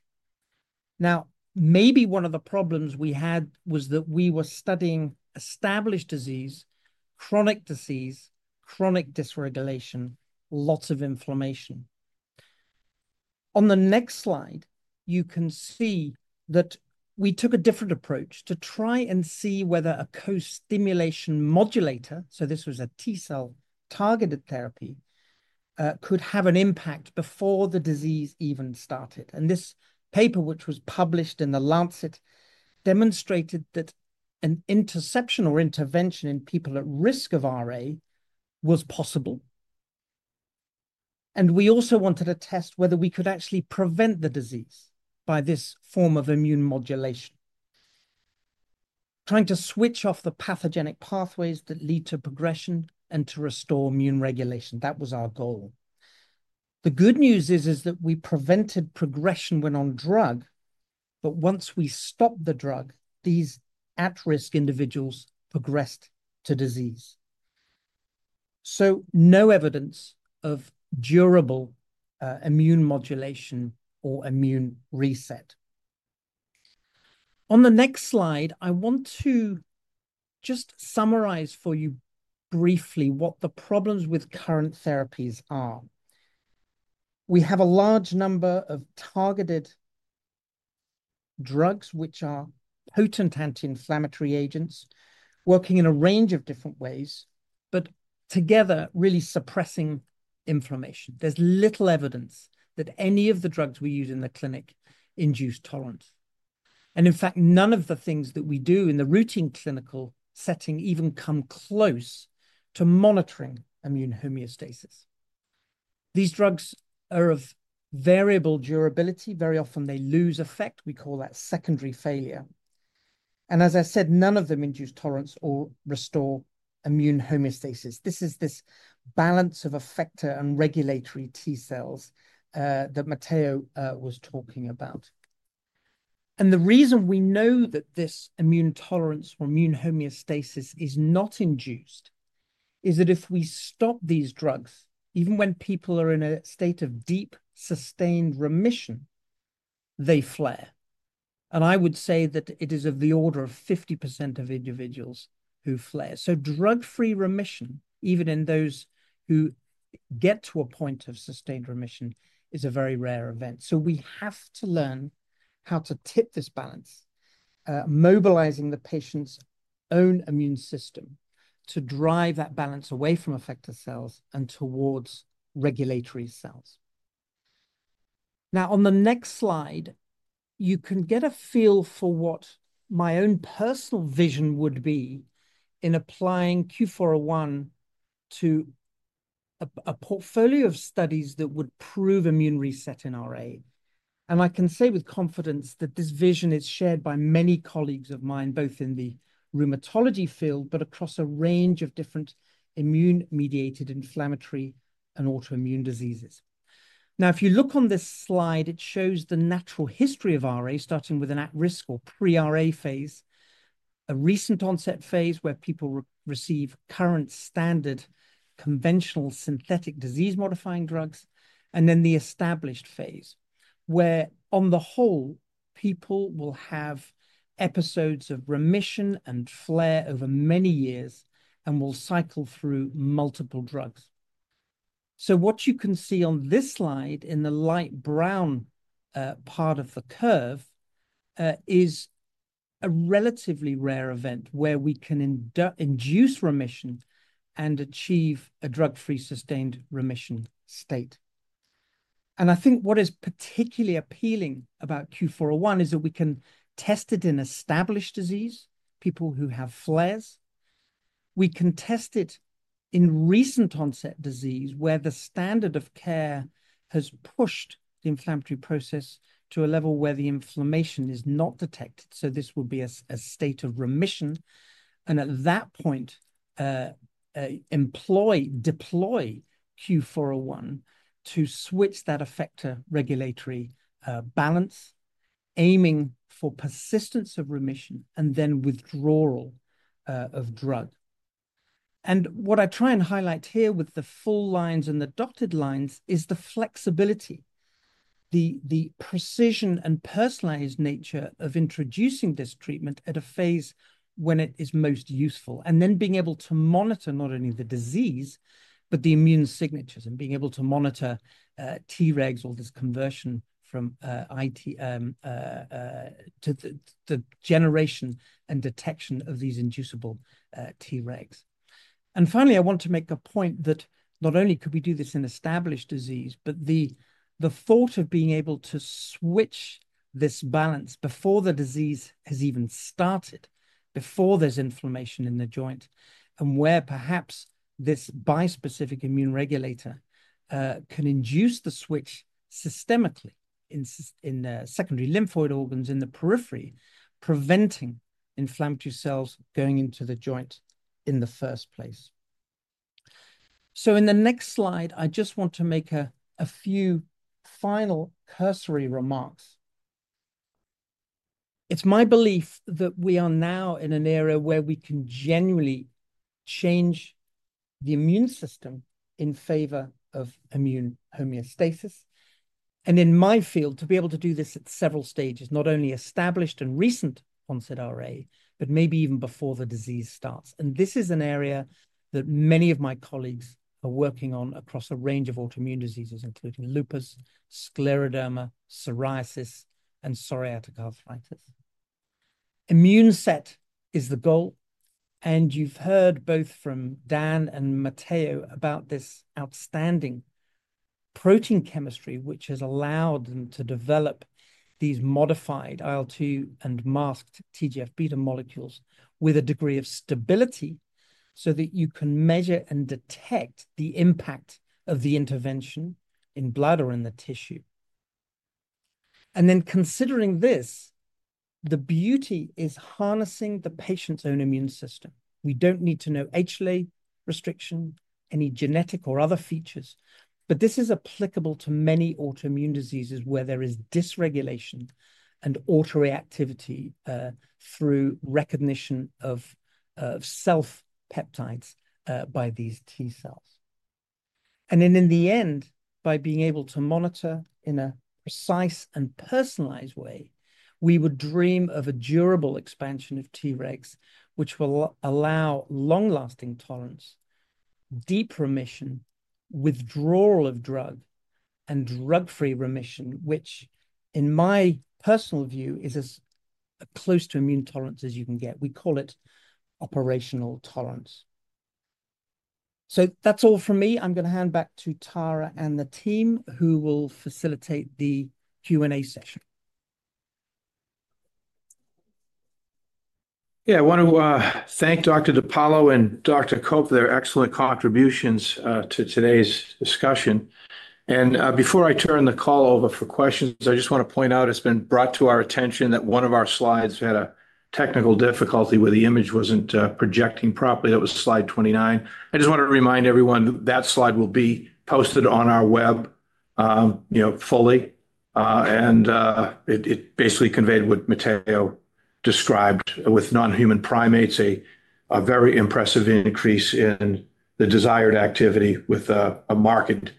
Maybe one of the problems we had was that we were studying established disease, chronic disease, chronic dysregulation, lots of inflammation. On the next slide, you can see that we took a different approach to try and see whether a co-stimulation modulator, so this was a T cell targeted therapy, could have an impact before the disease even started. This paper, which was published in The Lancet, demonstrated that an interception or intervention in people at risk of RA was possible. We also wanted to test whether we could actually prevent the disease by this form of immune modulation, trying to switch off the pathogenic pathways that lead to progression and to restore immune regulation. That was our goal. The good news is that we prevented progression when on drug, but once we stopped the drug, these at-risk individuals progressed to disease. No evidence of durable immune modulation or immune reset. On the next slide, I want to just summarize for you briefly what the problems with current therapies are. We have a large number of targeted drugs, which are potent anti-inflammatory agents, working in a range of different ways, but together really suppressing inflammation. There is little evidence that any of the drugs we use in the clinic induce tolerance. In fact, none of the things that we do in the routine clinical setting even come close to monitoring immune homeostasis. These drugs are of variable durability. Very often, they lose effect. We call that secondary failure. As I said, none of them induce tolerance or restore immune homeostasis. This is this balance of effector and regulatory T cells that Matteo was talking about. The reason we know that this immune tolerance or immune homeostasis is not induced is that if we stop these drugs, even when people are in a state of deep sustained remission, they flare. I would say that it is of the order of 50% of individuals who flare. Drug-free remission, even in those who get to a point of sustained remission, is a very rare event. We have to learn how to tip this balance, mobilizing the patient's own immune system to drive that balance away from effector cells and towards regulatory cells. Now, on the next slide, you can get a feel for what my own personal vision would be in applying CUE-401 to a portfolio of studies that would prove immune reset in RA. I can say with confidence that this vision is shared by many colleagues of mine, both in the rheumatology field but across a range of different immune-mediated inflammatory and autoimmune diseases. Now, if you look on this slide, it shows the natural history of RA, starting with an at-risk or pre-RA phase, a recent onset phase where people receive current standard conventional synthetic disease-modifying drugs, and then the established phase where, on the whole, people will have episodes of remission and flare over many years and will cycle through multiple drugs. What you can see on this slide in the light brown part of the curve is a relatively rare event where we can induce remission and achieve a drug-free sustained remission state. I think what is particularly appealing about CUE-401 is that we can test it in established disease, people who have flares. We can test it in recent onset disease where the standard of care has pushed the inflammatory process to a level where the inflammation is not detected. This will be a state of remission. At that point, employ CUE-401 to switch that effector regulatory balance, aiming for persistence of remission and then withdrawal of drug. What I try and highlight here with the full lines and the dotted lines is the flexibility, the precision, and personalized nature of introducing this treatment at a phase when it is most useful, and then being able to monitor not only the disease, but the immune signatures and being able to monitor Tregs, all this conversion from effector T cells to the generation and detection of these inducible Tregs. Finally, I want to make a point that not only could we do this in established disease, but the thought of being able to switch this balance before the disease has even started, before there's inflammation in the joint, and where perhaps this bispecific immune regulator can induce the switch systemically in secondary lymphoid organs in the periphery, preventing inflammatory cells going into the joint in the first place. In the next slide, I just want to make a few final cursory remarks. It's my belief that we are now in an era where we can genuinely change the immune system in favor of immune homeostasis. In my field, to be able to do this at several stages, not only established and recent onset RA, but maybe even before the disease starts. This is an area that many of my colleagues are working on across a range of autoimmune diseases, including lupus, scleroderma, psoriasis, and psoriatic arthritis. Immune set is the goal. You have heard both from Dan and Matteo about this outstanding protein chemistry, which has allowed them to develop these modified IL-2 and masked TGF-β molecules with a degree of stability so that you can measure and detect the impact of the intervention in blood or in the tissue. Considering this, the beauty is harnessing the patient's own immune system. We do not need to know HLA restriction, any genetic or other features, but this is applicable to many autoimmune diseases where there is dysregulation and autoreactivity through recognition of self-peptides by these T cells. In the end, by being able to monitor in a precise and personalized way, we would dream of a durable expansion of Tregs, which will allow long-lasting tolerance, deep remission, withdrawal of drug, and drug-free remission, which in my personal view is as close to immune tolerance as you can get. We call it operational tolerance. That is all for me. I am going to hand back to Tara and the team who will facilitate the Q&A session. Yeah, I want to thank Dr. DiPaolo and Dr. Cope for their excellent contributions to today's discussion. Before I turn the call over for questions, I just want to point out it's been brought to our attention that one of our slides had a technical difficulty where the image wasn't projecting properly. That was slide 29. I just want to remind everyone that slide will be posted on our web fully. It basically conveyed what Matteo described with non-human primates, a very impressive increase in the desired activity with a marked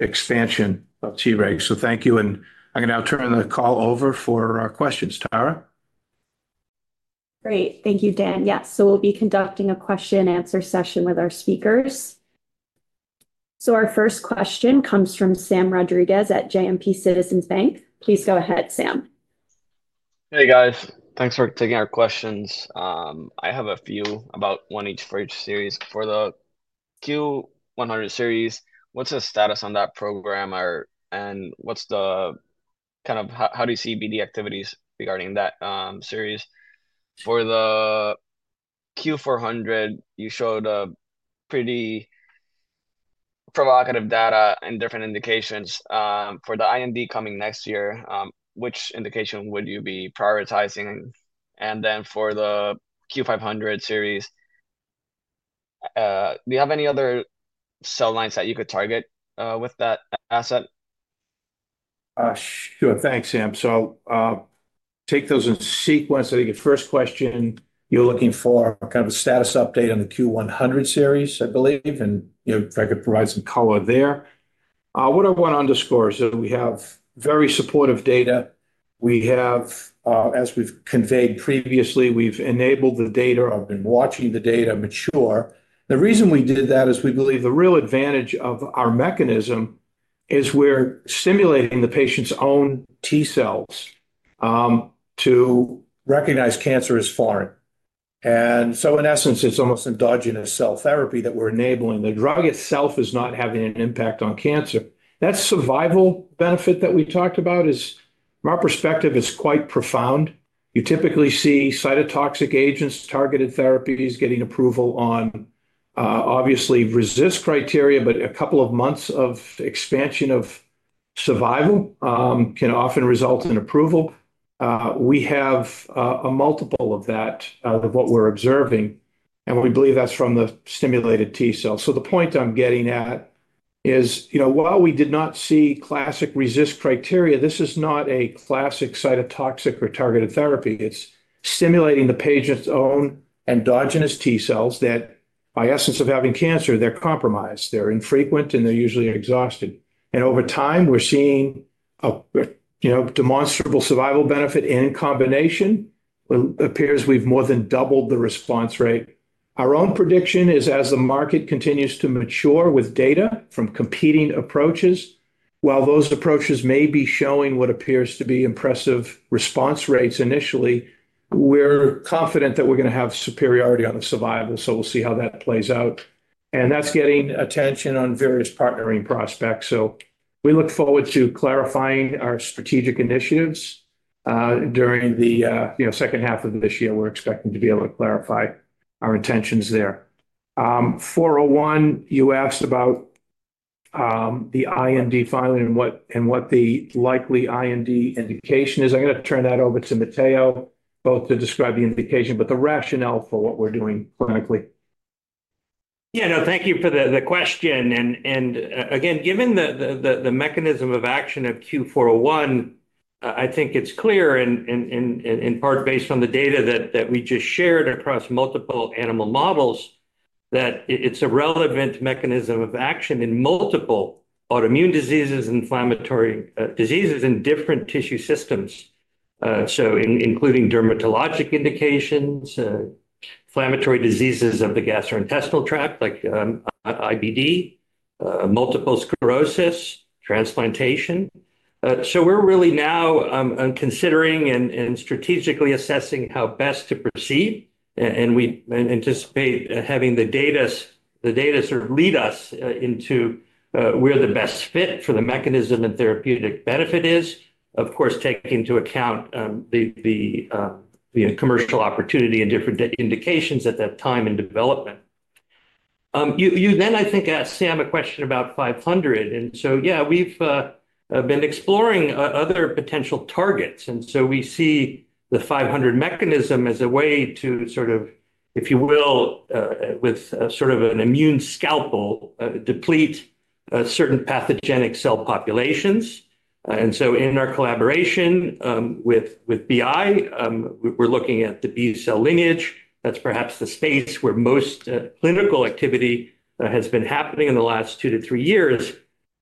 expansion of Tregs. Thank you. I'm going to now turn the call over for questions. Tara. Great. Thank you, Dan. Yes. We'll be conducting a question-and-answer session with our speakers. Our first question comes from Sam Rodriguez at JMP Citizens Bank. Please go ahead, Sam. Hey, guys. Thanks for taking our questions. I have a few, about one each for each series. For the CUE-100 series, what's the status on that program? What's the kind of how do you see BD activities regarding that series? For the CUE-400, you showed pretty provocative data and different indications. For the IND coming next year, which indication would you be prioritizing? For the CUE-500 series, do you have any other cell lines that you could target with that asset? Sure. Thanks, Sam. I'll take those in sequence. I think your first question, you're looking for kind of a status update on the CUE-100 series, I believe, and if I could provide some color there. What I want to underscore is that we have very supportive data. As we've conveyed previously, we've enabled the data. I've been watching the data mature. The reason we did that is we believe the real advantage of our mechanism is we're simulating the patient's own T cells to recognize cancer as foreign. In essence, it's almost endogenous cell therapy that we're enabling. The drug itself is not having an impact on cancer. That survival benefit that we talked about, from our perspective, is quite profound. You typically see cytotoxic agents, targeted therapies, getting approval on obviously resist criteria, but a couple of months of expansion of survival can often result in approval. We have a multiple of that, of what we're observing. And we believe that's from the stimulated T cells. So the point I'm getting at is, while we did not see classic RECIST criteria, this is not a classic cytotoxic or targeted therapy. It's stimulating the patient's own endogenous T cells that, by essence of having cancer, they're compromised. They're infrequent, and they're usually exhausted. Over time, we're seeing a demonstrable survival benefit in combination. It appears we've more than doubled the response rate. Our own prediction is, as the market continues to mature with data from competing approaches, while those approaches may be showing what appears to be impressive response rates initially, we're confident that we're going to have superiority on the survival. We'll see how that plays out. That's getting attention on various partnering prospects. We look forward to clarifying our strategic initiatives during the second half of this year. We're expecting to be able to clarify our intentions there. 401, you asked about the IND filing and what the likely IND indication is. I'm going to turn that over to Matteo, both to describe the indication, but the rationale for what we're doing clinically. Yeah, no, thank you for the question. Again, given the mechanism of action of CUE-401, I think it's clear, in part based on the data that we just shared across multiple animal models, that it's a relevant mechanism of action in multiple autoimmune diseases and inflammatory diseases in different tissue systems, including dermatologic indications, inflammatory diseases of the gastrointestinal tract like IBD, multiple sclerosis, transplantation. We're really now considering and strategically assessing how best to proceed. We anticipate having the data sort of lead us into where the best fit for the mechanism and therapeutic benefit is, of course, taking into account the commercial opportunity and different indications at that time in development. You then, I think, asked Sam a question about 500. Yeah, we've been exploring other potential targets. We see the 500 mechanism as a way to sort of, if you will, with sort of an immune scalpel, deplete certain pathogenic cell populations. In our collaboration with BI, we're looking at the B cell lineage. That's perhaps the space where most clinical activity has been happening in the last two to three years.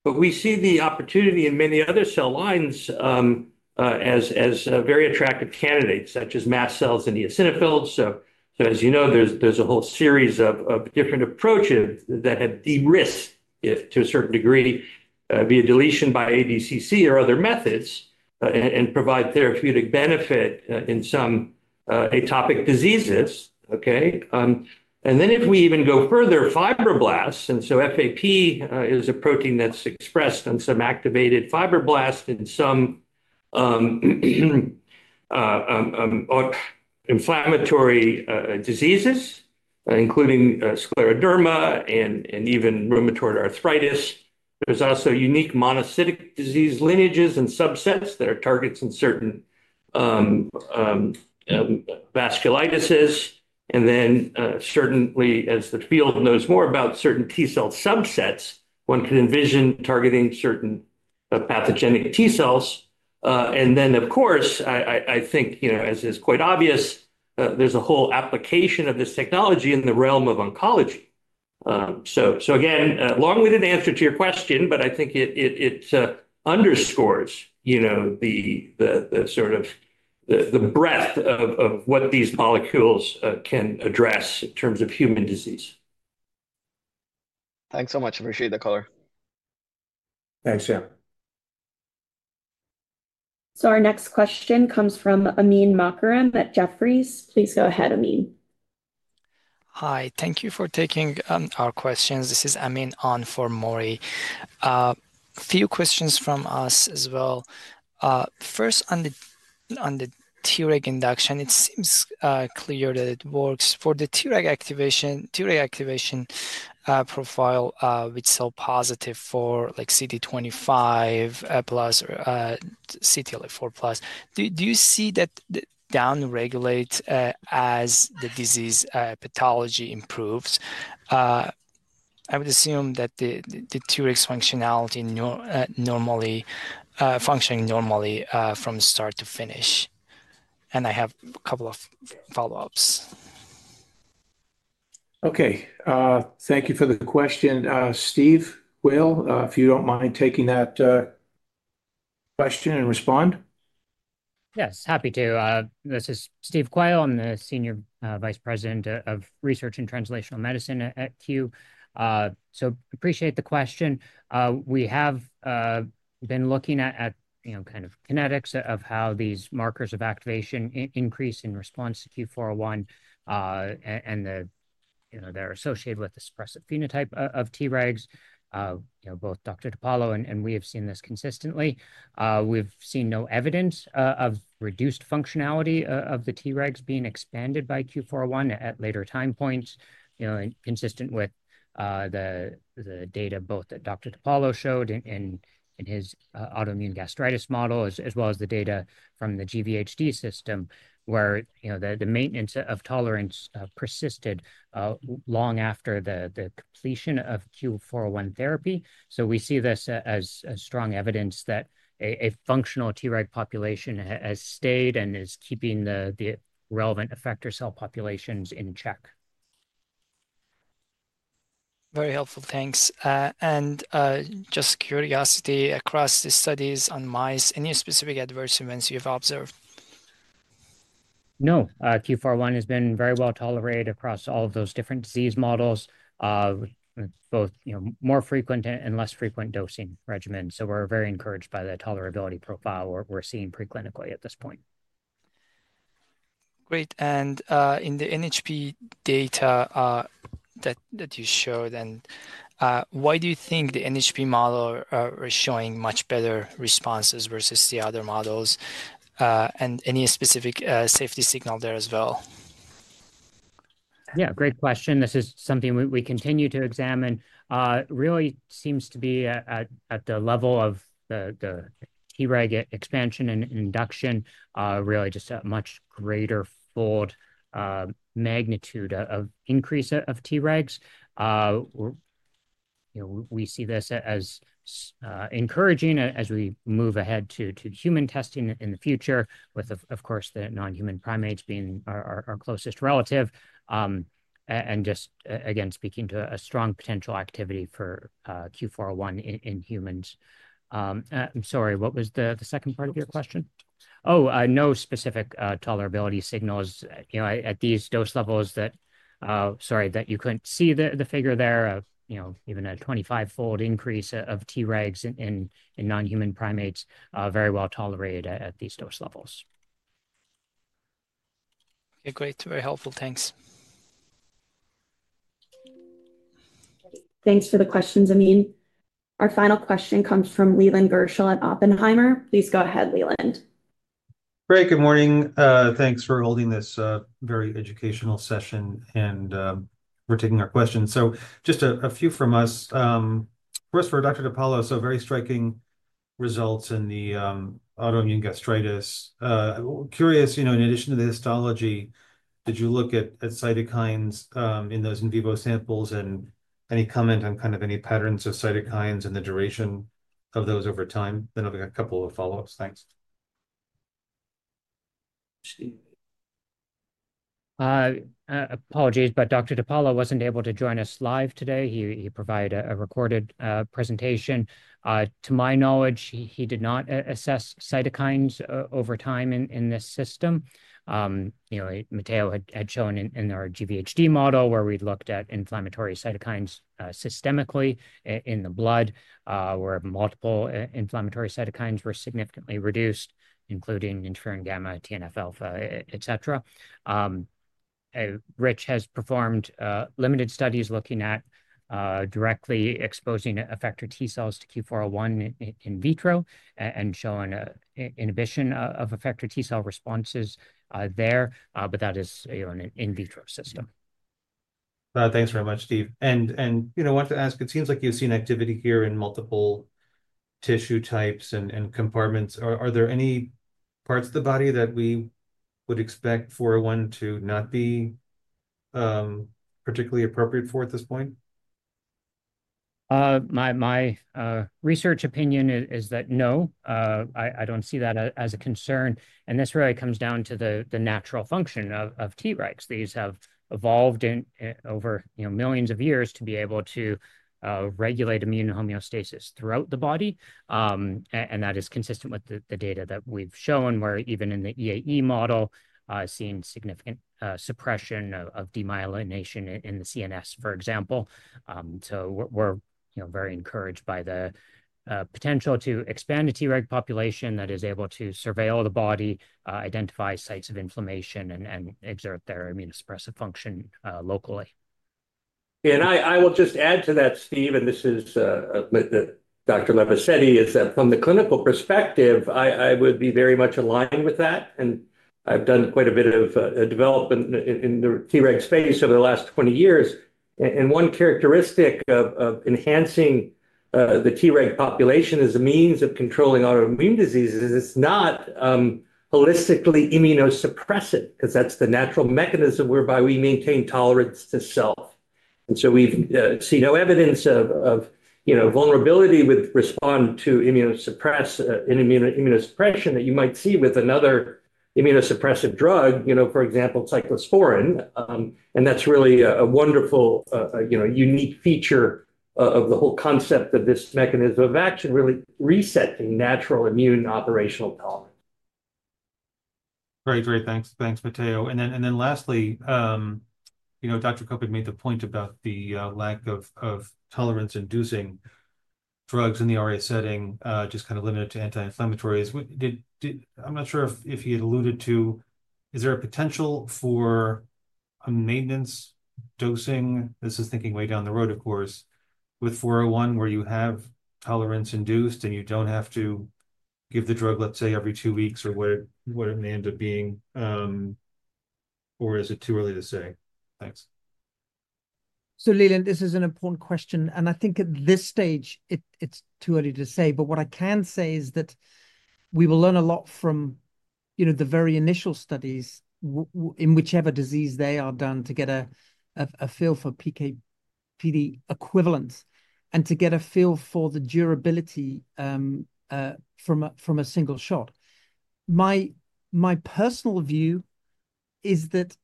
We see the opportunity in many other cell lines as very attractive candidates, such as mast cells and eosinophils. As you know, there's a whole series of different approaches that have de-risked, to a certain degree, via deletion by ADCC or other methods and provide therapeutic benefit in some atopic diseases. Okay. If we even go further, fibroblasts. FAP is a protein that's expressed on some activated fibroblasts in some inflammatory diseases, including scleroderma and even rheumatoid arthritis. There's also unique monocytic disease lineages and subsets that are targets in certain vasculitises. Certainly, as the field knows more about certain T cell subsets, one could envision targeting certain pathogenic T cells. Of course, I think, as is quite obvious, there's a whole application of this technology in the realm of oncology. Again, long-winded answer to your question, but I think it underscores the sort of breadth of what these molecules can address in terms of human disease. Thanks so much. Appreciate the color. Thanks, Sam. Our next question comes from Amin Makaram at Jefferies. Please go ahead, Amin. Hi. Thank you for taking our questions. This is Amin on for Mori. A few questions from us as well. First, on the Treg induction, it seems clear that it works. For the Treg activation profile, which is so positive for CD25+, CTLA-4+, do you see that downregulate as the disease pathology improves? I would assume that the Treg functionality functioning normally from start to finish. I have a couple of follow-ups. Okay. Thank you for the question. Steve Quayle, if you do not mind taking that question and respond. Yes, happy to. This is Steve Quayle. I'm the Senior Vice President of Research and Translational Medicine at Cue. So appreciate the question. We have been looking at kind of kinetics of how these markers of activation increase in response to CUE-401, and they're associated with the suppressive phenotype of Tregs. Both Dr. DiPaolo and we have seen this consistently. We've seen no evidence of reduced functionality of the Tregs being expanded by CUE-401 at later time points, consistent with the data both that Dr. DiPaolo showed in his autoimmune gastritis model, as well as the data from the GVHD system, where the maintenance of tolerance persisted long after the completion of CUE-401 therapy. We see this as strong evidence that a functional Treg population has stayed and is keeping the relevant effector cell populations in check. Very helpful. Thanks. Just curiosity, across the studies on mice, any specific adverse events you've observed? No. CUE-401 has been very well tolerated across all of those different disease models, both more frequent and less frequent dosing regimens. We are very encouraged by the tolerability profile we are seeing preclinically at this point. Great. In the NHP data that you showed, why do you think the NHP model is showing much better responses versus the other models? Any specific safety signal there as well? Yeah, great question. This is something we continue to examine. Really seems to be at the level of the Treg expansion and induction, really just a much greater fold magnitude of increase of Tregs. We see this as encouraging as we move ahead to human testing in the future, with, of course, the non-human primates being our closest relative. Just, again, speaking to a strong potential activity for CUE-401 in humans. I'm sorry, what was the second part of your question? Oh, no specific tolerability signals at these dose levels that, sorry, that you could not see the figure there, even a 25-fold increase of Tregs in non-human primates very well tolerated at these dose levels. Okay, great. Very helpful. Thanks. Thanks for the questions, Amin. Our final question comes from Leland Gershell at Oppenheimer. Please go ahead, Leland. Great. Good morning. Thanks for holding this very educational session. And we're taking our questions. So just a few from us. First, for Dr. DiPaolo, so very striking results in the autoimmune gastritis. Curious, in addition to the histology, did you look at cytokines in those in vivo samples? And any comment on kind of any patterns of cytokines and the duration of those over time? Then I've got a couple of follow-ups. Thanks. Apologies, but Dr. DiPaolo wasn't able to join us live today. He provided a recorded presentation. To my knowledge, he did not assess cytokines over time in this system. Matteo had shown in our GVHD model where we looked at inflammatory cytokines systemically in the blood, where multiple inflammatory cytokines were significantly reduced, including interferon gamma, TNF-alpha, etc. Rich has performed limited studies looking at directly exposing effector T cells to CUE-401 in vitro and shown inhibition of effector T cell responses there, but that is in vitro system. Thanks very much, Steve. I want to ask, it seems like you've seen activity here in multiple tissue types and compartments. Are there any parts of the body that we would expect 401 to not be particularly appropriate for at this point? My research opinion is that no. I don't see that as a concern. This really comes down to the natural function of Tregs. These have evolved over millions of years to be able to regulate immune homeostasis throughout the body. That is consistent with the data that we've shown, where even in the EAE model, seen significant suppression of demyelination in the CNS, for example. We're very encouraged by the potential to expand a Treg population that is able to surveil the body, identify sites of inflammation, and exert their immunosuppressive function locally. I will just add to that, Steve, and this is Dr. Levisetti, is that from the clinical perspective, I would be very much aligned with that. I've done quite a bit of development in the Treg space over the last 20 years. One characteristic of enhancing the Treg population as a means of controlling autoimmune diseases is it's not holistically immunosuppressive because that's the natural mechanism whereby we maintain tolerance to self. We've seen no evidence of vulnerability with respect to immunosuppression that you might see with another immunosuppressive drug, for example, cyclosporin. That's really a wonderful, unique feature of the whole concept of this mechanism of action, really resetting natural immune operational tolerance. Great, great. Thanks, Matteo. Lastly, Dr. Cope had made the point about the lack of tolerance-inducing drugs in the RA setting, just kind of limited to anti-inflammatories. I'm not sure if he had alluded to, is there a potential for a maintenance dosing? This is thinking way down the road, of course, with 401 where you have tolerance-induced and you don't have to give the drug, let's say, every two weeks or what it may end up being. Or is it too early to say? Thanks. Leland, this is an important question. I think at this stage, it's too early to say. What I can say is that we will learn a lot from the very initial studies in whichever disease they are done to get a feel for PKPD equivalents and to get a feel for the durability from a single shot. My personal view is that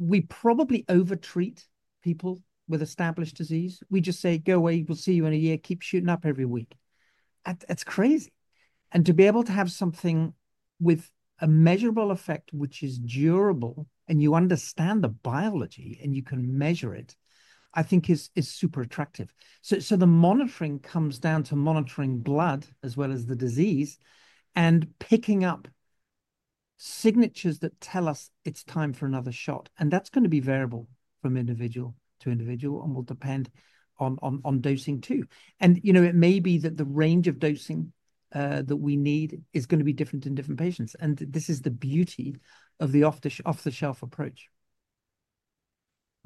we probably overtreat people with established disease. We just say, "Go away. We'll see you in a year. Keep shooting up every week." It's crazy. To be able to have something with a measurable effect, which is durable, and you understand the biology and you can measure it, I think is super attractive. The monitoring comes down to monitoring blood as well as the disease and picking up signatures that tell us it's time for another shot. That is going to be variable from individual to individual and will depend on dosing too. It may be that the range of dosing that we need is going to be different in different patients. This is the beauty of the off-the-shelf approach.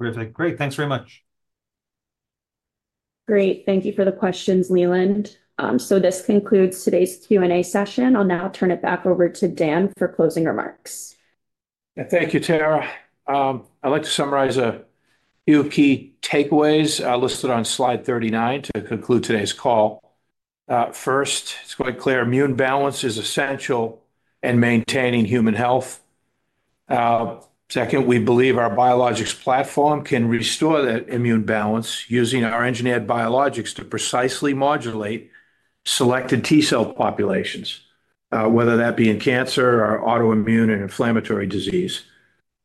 Terrific. Great. Thanks very much. Great. Thank you for the questions, Leland. This concludes today's Q&A session. I'll now turn it back over to Dan for closing remarks. Thank you, Tara. I'd like to summarize a few key takeaways listed on slide 39 to conclude today's call. First, it's quite clear immune balance is essential in maintaining human health. Second, we believe our biologics platform can restore that immune balance using our engineered biologics to precisely modulate selected T cell populations, whether that be in cancer or autoimmune and inflammatory disease.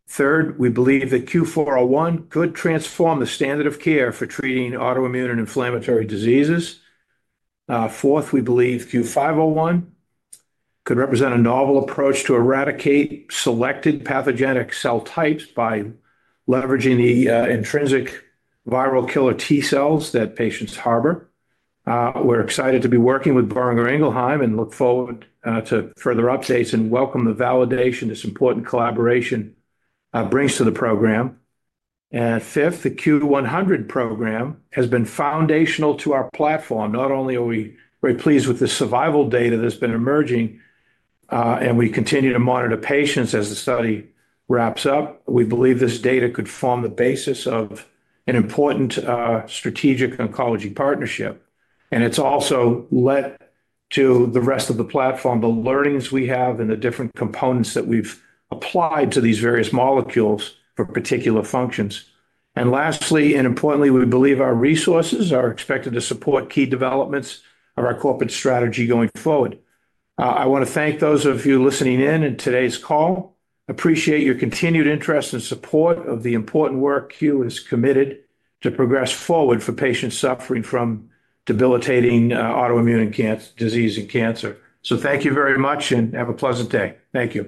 Third, we believe that CUE-401 could transform the standard of care for treating autoimmune and inflammatory diseases. Fourth, we believe CUE-501 could represent a novel approach to eradicate selected pathogenic cell types by leveraging the intrinsic viral killer T cells that patients harbor. We're excited to be working with Boehringer Ingelheim and look forward to further updates and welcome the validation this important collaboration brings to the program. Fifth, the CUE-100 program has been foundational to our platform. Not only are we very pleased with the survival data that's been emerging, and we continue to monitor patients as the study wraps up, we believe this data could form the basis of an important strategic oncology partnership. It has also led to the rest of the platform, the learnings we have and the different components that we've applied to these various molecules for particular functions. Lastly, and importantly, we believe our resources are expected to support key developments of our corporate strategy going forward. I want to thank those of you listening in in today's call. Appreciate your continued interest and support of the important work Cue has committed to progress forward for patients suffering from debilitating autoimmune disease and cancer. Thank you very much and have a pleasant day. Thank you.